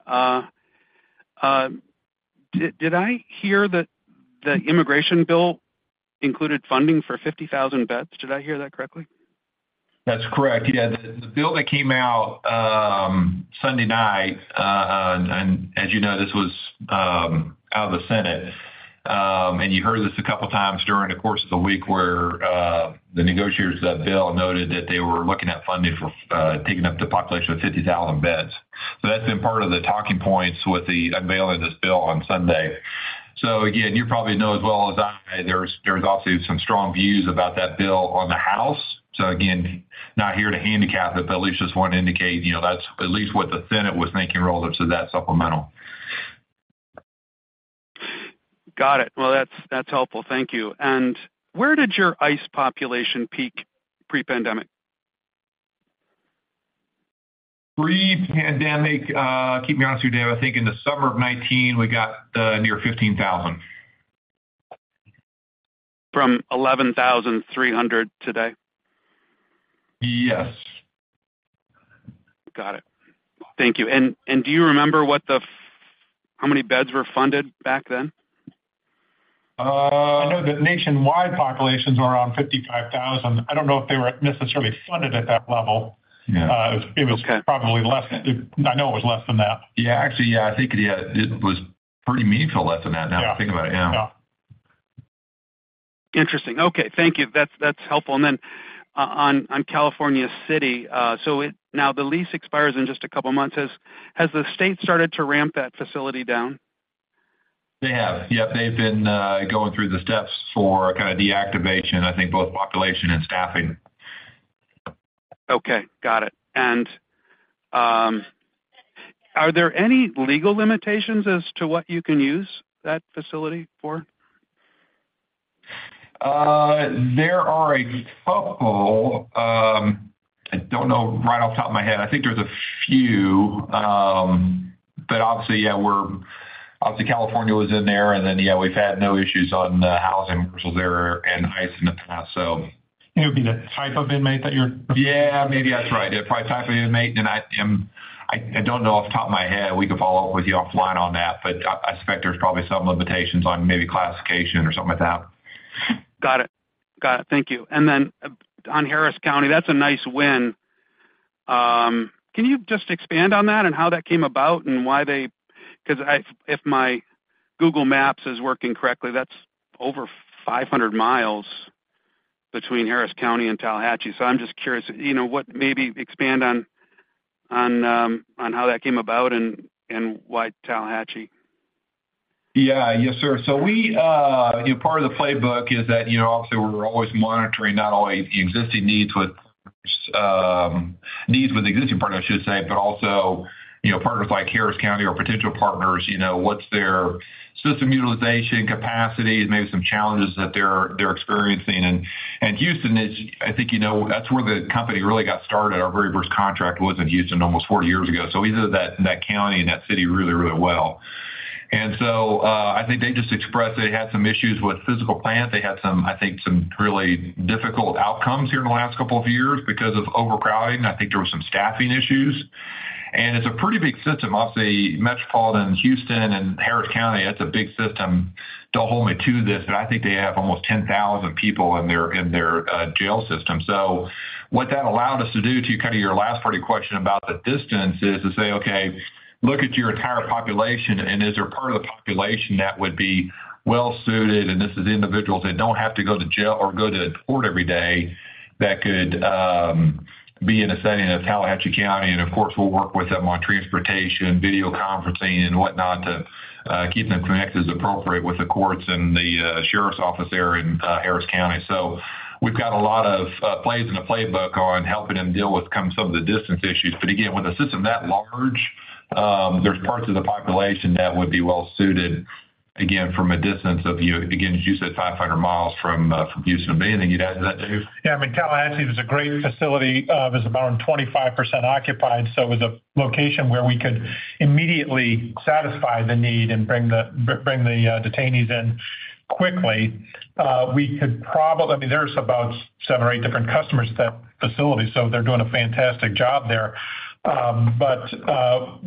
did I hear that the immigration bill included funding for 50,000 beds? Did I hear that correctly? That's correct. Yeah. The bill that came out Sunday night, and as you know, this was out of the Senate, and you heard this a couple times during the course of the week where the negotiators of that bill noted that they were looking at funding for taking up the population of 50,000 beds. So that's been part of the talking points with the unveiling of this bill on Sunday. So again, you probably know as well as I, there's also some strong views about that bill on the House. So again, not here to handicap it, but at least just want to indicate, you know, that's at least what the Senate was thinking relative to that supplemental. Got it. Well, that's, that's helpful. Thank you. And where did your ICE population peak pre-pandemic? Pre-pandemic, keep me honest with you, Dave. I think in the summer of 2019, we got near 15,000. From 11,300 today? Yes. Got it. Thank you. Do you remember what the f- how many beds were funded back then? I know the nationwide populations were around 55,000. I don't know if they were necessarily funded at that level. Yeah. It was probably less than... I know it was less than that. Yeah, actually, I think it was pretty meaningful less than that, now- Yeah. That I think about it. Yeah. Yeah. Interesting. Okay. Thank you. That's helpful. And then on California City, so it... Now, the lease expires in just a couple of months. Has the state started to ramp that facility down? They have. Yep, they've been going through the steps for kind of deactivation, I think both population and staffing. Okay, got it. Are there any legal limitations as to what you can use that facility for? There are a couple. I don't know right off the top of my head. I think there's a few, but obviously, yeah, we're obviously, California was in there, and then, yeah, we've had no issues on the housing commercials there and ICE in the past, so. It would be the type of inmate that you're- Yeah, maybe that's right. Yeah, probably type of inmate, and I don't know off the top of my head. We could follow up with you offline on that, but I suspect there's probably some limitations on maybe classification or something like that. Got it. Got it. Thank you. And then on Harris County, that's a nice win. Can you just expand on that and how that came about and why they... Because if my Google Maps is working correctly, that's over 500 mi between Harris County and Tallahatchie. So I'm just curious, you know, maybe expand on how that came about and why Tallahatchie? Yeah. Yes, sir. So we, you know, part of the playbook is that, you know, obviously, we're always monitoring not only the existing needs with, needs with existing partners, I should say, but also, you know, partners like Harris County or potential partners, you know, what's their system utilization capacity, maybe some challenges that they're experiencing. And Houston is, I think, you know, that's where the company really got started. Our very first contract was in Houston almost 40 years ago. So we know that county and that city really, really well. And so, I think they just expressed they had some issues with physical plant. They had some, I think, some really difficult outcomes here in the last couple of years because of overcrowding, I think there were some staffing issues. And it's a pretty big system. Obviously, Metropolitan Houston and Harris County, that's a big system. Don't hold me to this, but I think they have almost 10,000 people in their, in their, jail system. So what that allowed us to do, to kind of your last part of your question about the distance, is to say, okay, look at your entire population, and is there a part of the population that would be well suited, and this is individuals that don't have to go to jail or go to court every day? That could, be in a setting of Tallahatchie County, and of course, we'll work with them on transportation, video conferencing and whatnot, to, keep them connected as appropriate with the courts and the, sheriff's office there in, Harris County. So we've got a lot of plays in the playbook on helping them deal with kind of some of the distance issues. But again, with a system that large, there's parts of the population that would be well suited, again, from a distance of, you know, again, as you said, 500 mi from Houston to me. Anything you'd add to that, Dave? Yeah, I mean, Tallahatchie was a great facility. It was around 25% occupied, so it was a location where we could immediately satisfy the need and bring the detainees in quickly. We could probably- I mean, there's about seven or eight different customers at that facility, so they're doing a fantastic job there. But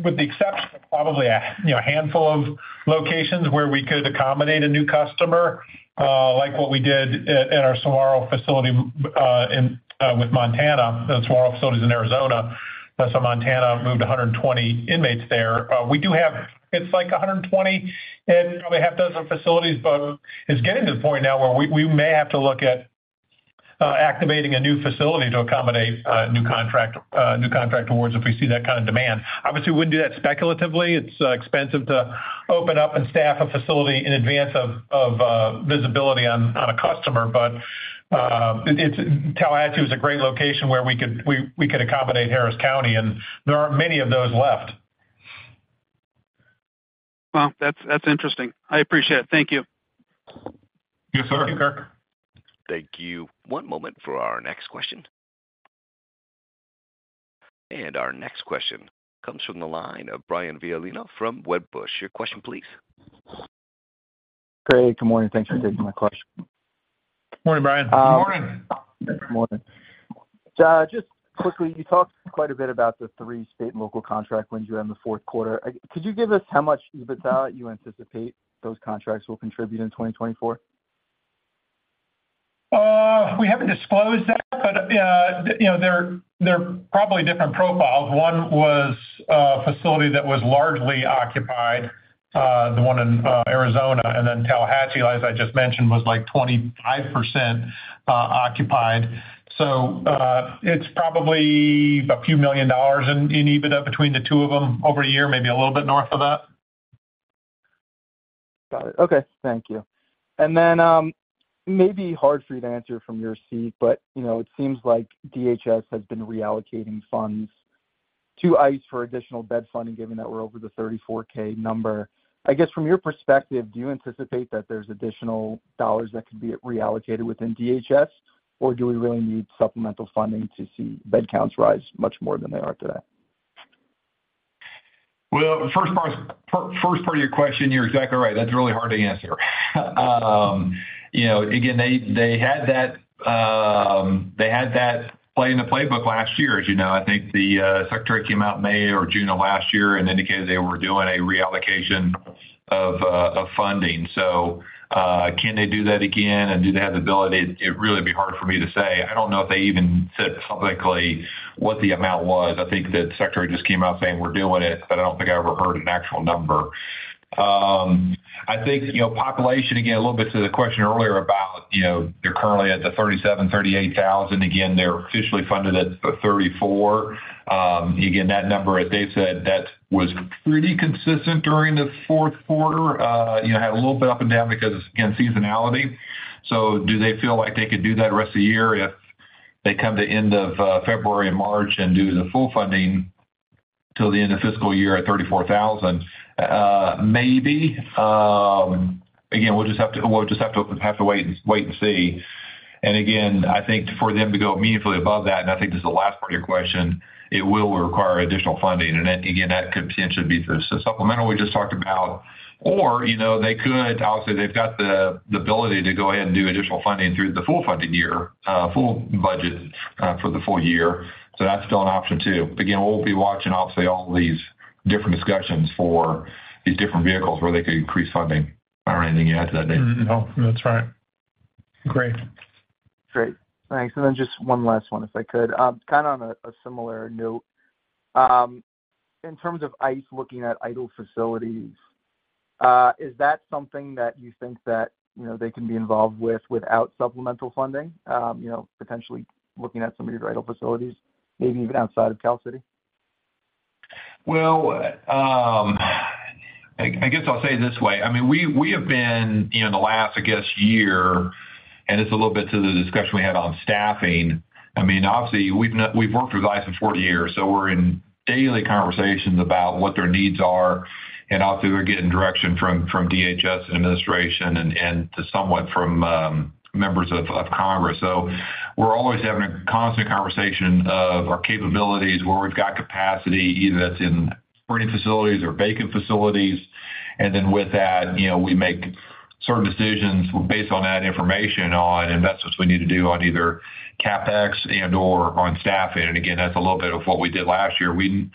with the exception of probably a, you know, handful of locations where we could accommodate a new customer, like what we did in our Saguaro facility with Montana. The Saguaro facility is in Arizona, plus Montana moved 120 inmates there. We do have... It's like 120 in probably 6 facilities, but it's getting to the point now where we may have to look at activating a new facility to accommodate new contract awards if we see that kind of demand. Obviously, we wouldn't do that speculatively. It's expensive to open up and staff a facility in advance of visibility on a customer. But, Tallahatchie is a great location where we could accommodate Harris County, and there aren't many of those left. Well, that's interesting. I appreciate it. Thank you. Yes, sir. Thank you. Thank you. One moment for our next question. Our next question comes from the line of Brian Violino from Wedbush. Your question, please. Great. Good morning. Thanks for taking my question. Morning, Brian. Good morning. Good morning. Just quickly, you talked quite a bit about the three state and local contract wins you had in the fourth quarter. Could you give us how much EBITDA you anticipate those contracts will contribute in 2024? We haven't disclosed that, but you know, they're, they're probably different profiles. One was a facility that was largely occupied, the one in Arizona, and then Tallahatchie, as I just mentioned, was like 25% occupied. So, it's probably a few million in EBITDA between the two of them over a year, maybe a little bit north of that. Got it. Okay, thank you. And then, maybe hard for you to answer from your seat, but, you know, it seems like DHS has been reallocating funds to ICE for additional bed funding, given that we're over the 34K number. I guess, from your perspective, do you anticipate that there's additional dollars that could be reallocated within DHS? Or do we really need supplemental funding to see bed counts rise much more than they are today? Well, the first part of your question, you're exactly right. That's really hard to answer. You know, again, they had that play in the playbook last year. As you know, I think the secretary came out in May or June of last year and indicated they were doing a reallocation of funding. So, can they do that again, and do they have the ability? It'd really be hard for me to say. I don't know if they even said publicly what the amount was. I think the secretary just came out saying, "We're doing it," but I don't think I ever heard an actual number. You know, population, again, a little bit to the question earlier about, you know, you're currently at the 37,000-38,000. Again, they're officially funded at 34,000. Again, that number, as Dave said, that was pretty consistent during the fourth quarter. You know, had a little bit up and down because, again, seasonality. So do they feel like they could do that the rest of the year if they come to the end of February and March and do the full funding till the end of fiscal year at 34,000? Maybe. Again, we'll just have to wait and see. And again, I think for them to go meaningfully above that, and I think this is the last part of your question, it will require additional funding. And then, again, that could potentially be the supplemental we just talked about, or, you know, they could... Obviously, they've got the ability to go ahead and do additional funding through the full funding year, full budget, for the full year. So that's still an option, too. But again, we'll be watching, obviously, all these different discussions for these different vehicles where they could increase funding. I don't know anything you want to add to that, Dave? No, that's right. Great. Great. Thanks. And then just one last one, if I could. Kind of on a similar note, in terms of ICE looking at idle facilities, is that something that you think that, you know, they can be involved with without supplemental funding? You know, potentially looking at some of your idle facilities, maybe even outside of Cal City? Well, I guess I'll say it this way. I mean, we have been, in the last year, and it's a little bit to the discussion we had on staffing. I mean, obviously, we've worked with ICE for 40 years, so we're in daily conversations about what their needs are, and obviously, we're getting direction from DHS administration and to somewhat from members of Congress. So we're always having a constant conversation of our capabilities, where we've got capacity, either that's in operating facilities or vacant facilities. And then with that, you know, we make certain decisions based on that information on investments we need to do on either CapEx and/or on staffing. And again, that's a little bit of what we did last year. We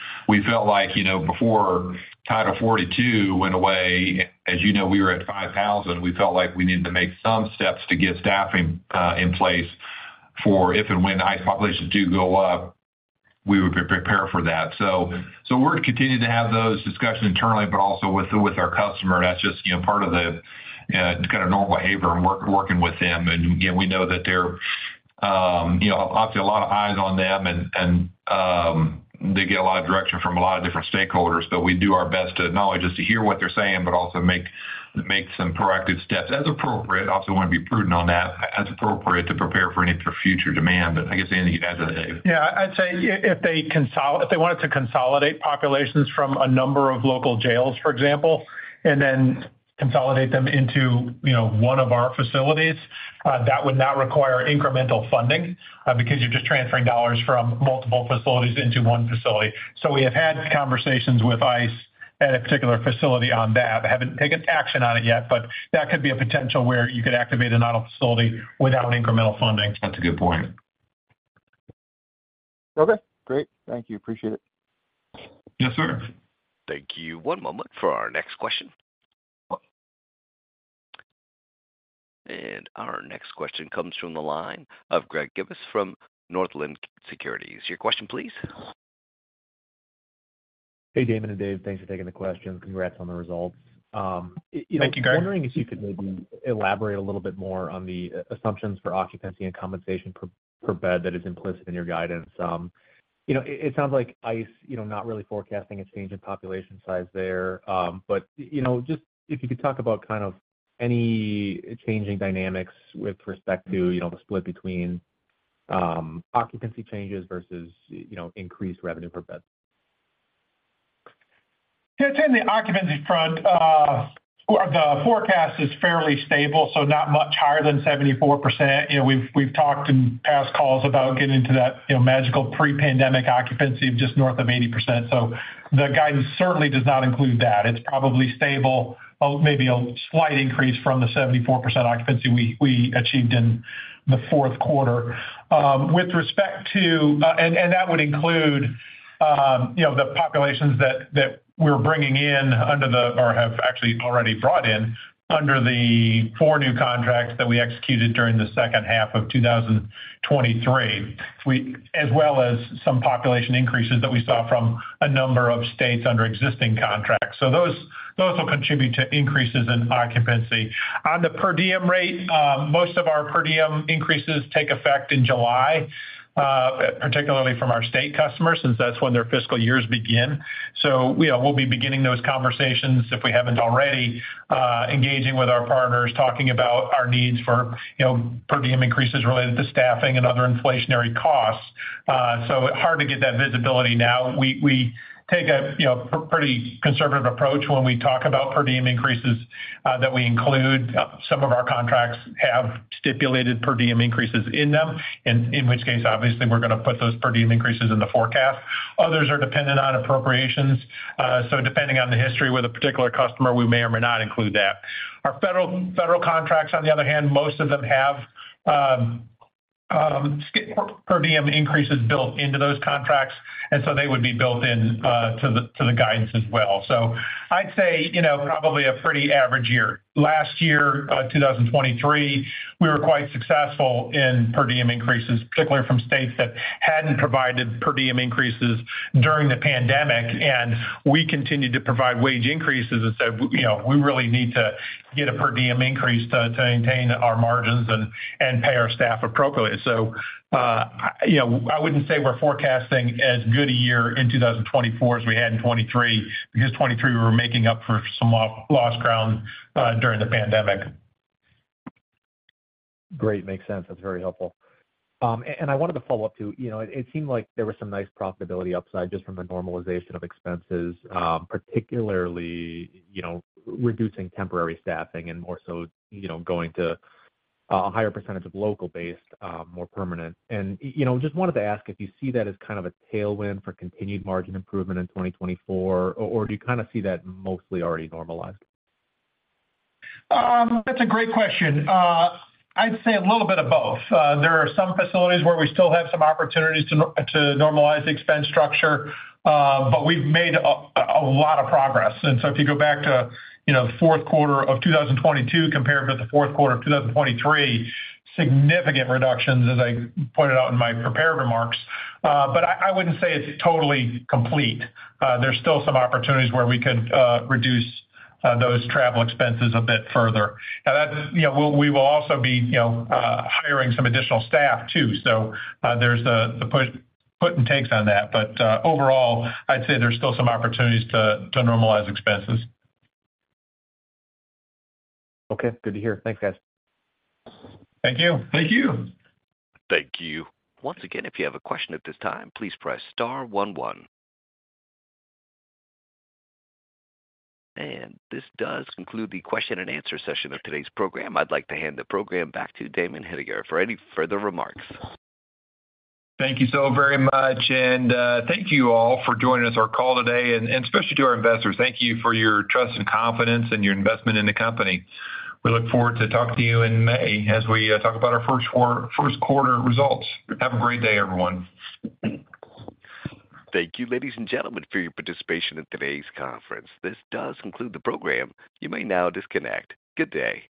felt like, you know, before Title 42 went away, as you know, we were at 5,000. We felt like we needed to make some steps to get staffing in place for if and when ICE populations do go up, we would be prepared for that. So we're continuing to have those discussions internally, but also with our customer. That's just, you know, part of the kind of normal behavior and working with them. And, again, we know that they're, you know, obviously a lot of eyes on them, and they get a lot of direction from a lot of different stakeholders. So we do our best to acknowledge, just to hear what they're saying, but also make some corrective steps as appropriate. Also, want to be prudent on that, as appropriate, to prepare for any future demand. But I guess, Dave, you have a- Yeah, I'd say if they wanted to consolidate populations from a number of local jails, for example, and then consolidate them into, you know, one of our facilities, that would not require incremental funding, because you're just transferring dollars from multiple facilities into one facility. So we have had conversations with ICE at a particular facility on that, but haven't taken action on it yet. But that could be a potential where you could activate an idle facility without incremental funding. That's a good point. Okay, great. Thank you. Appreciate it. Yes, sir. Thank you. One moment for our next question. Our next question comes from the line of Greg Gibas from Northland Securities. Your question, please. Hey, Damon and Dave, thanks for taking the questions. Congrats on the results. Thank you, Greg. I'm wondering if you could maybe elaborate a little bit more on the assumptions for occupancy and compensation per, per bed that is implicit in your guidance. You know, it sounds like ICE, you know, not really forecasting a change in population size there. But, you know, just if you could talk about kind of any changing dynamics with respect to, you know, the split between, occupancy changes versus, you know, increased revenue per bed. Yeah, it's in the occupancy front, the forecast is fairly stable, so not much higher than 74%. You know, we've talked in past calls about getting to that, you know, magical pre-pandemic occupancy of just north of 80%. So the guidance certainly does not include that. It's probably stable, or maybe a slight increase from the 74% occupancy we achieved in the fourth quarter. With respect to... and that would include, you know, the populations that we're bringing in under the, or have actually already brought in, under the 4 new contracts that we executed during the second half of 2023. We as well as some population increases that we saw from a number of states under existing contracts, so those will contribute to increases in occupancy. On the per diem rate, most of our per diem increases take effect in July, particularly from our state customers, since that's when their fiscal years begin. So we'll be beginning those conversations, if we haven't already, engaging with our partners, talking about our needs for, you know, per diem increases related to staffing and other inflationary costs. So hard to get that visibility now. We take a, you know, pretty conservative approach when we talk about per diem increases that we include. Some of our contracts have stipulated per diem increases in them, and in which case, obviously, we're going to put those per diem increases in the forecast. Others are dependent on appropriations. So depending on the history with a particular customer, we may or may not include that. Our federal contracts, on the other hand, most of them have per diem increases built into those contracts, and so they would be built in to the guidance as well. So I'd say, you know, probably a pretty average year. Last year, 2023, we were quite successful in per diem increases, particularly from states that hadn't provided per diem increases during the pandemic, and we continued to provide wage increases and said, "You know, we really need to get a per diem increase to maintain our margins and pay our staff appropriately." So, you know, I wouldn't say we're forecasting as good a year in 2024 as we had in 2023, because 2023 we were making up for some lost ground during the pandemic. Great. Makes sense. That's very helpful. And I wanted to follow up, too. You know, it seemed like there was some nice profitability upside just from the normalization of expenses, particularly, you know, reducing temporary staffing and more so, you know, going to a higher percentage of local-based, more permanent. And, you know, just wanted to ask if you see that as kind of a tailwind for continued margin improvement in 2024, or do you kind of see that mostly already normalized? That's a great question. I'd say a little bit of both. There are some facilities where we still have some opportunities to normalize the expense structure, but we've made a lot of progress. And so if you go back to, you know, the fourth quarter of 2022, compared with the fourth quarter of 2023, significant reductions, as I pointed out in my prepared remarks, but I wouldn't say it's totally complete. There's still some opportunities where we could reduce those travel expenses a bit further. Now, that's, you know, we will also be, you know, hiring some additional staff too, so there's the put, give and takes on that. But overall, I'd say there's still some opportunities to normalize expenses. Okay, good to hear. Thanks, guys. Thank you. Thank you. Thank you. Once again, if you have a question at this time, please press star one one. This does conclude the question and answer session of today's program. I'd like to hand the program back to Damon Hininger for any further remarks. Thank you so very much, and thank you all for joining us, our call today, and especially to our investors. Thank you for your trust and confidence and your investment in the company. We look forward to talking to you in May as we talk about our first quarter results. Have a great day, everyone. Thank you, ladies and gentlemen, for your participation in today's conference. This does conclude the program. You may now disconnect. Good day.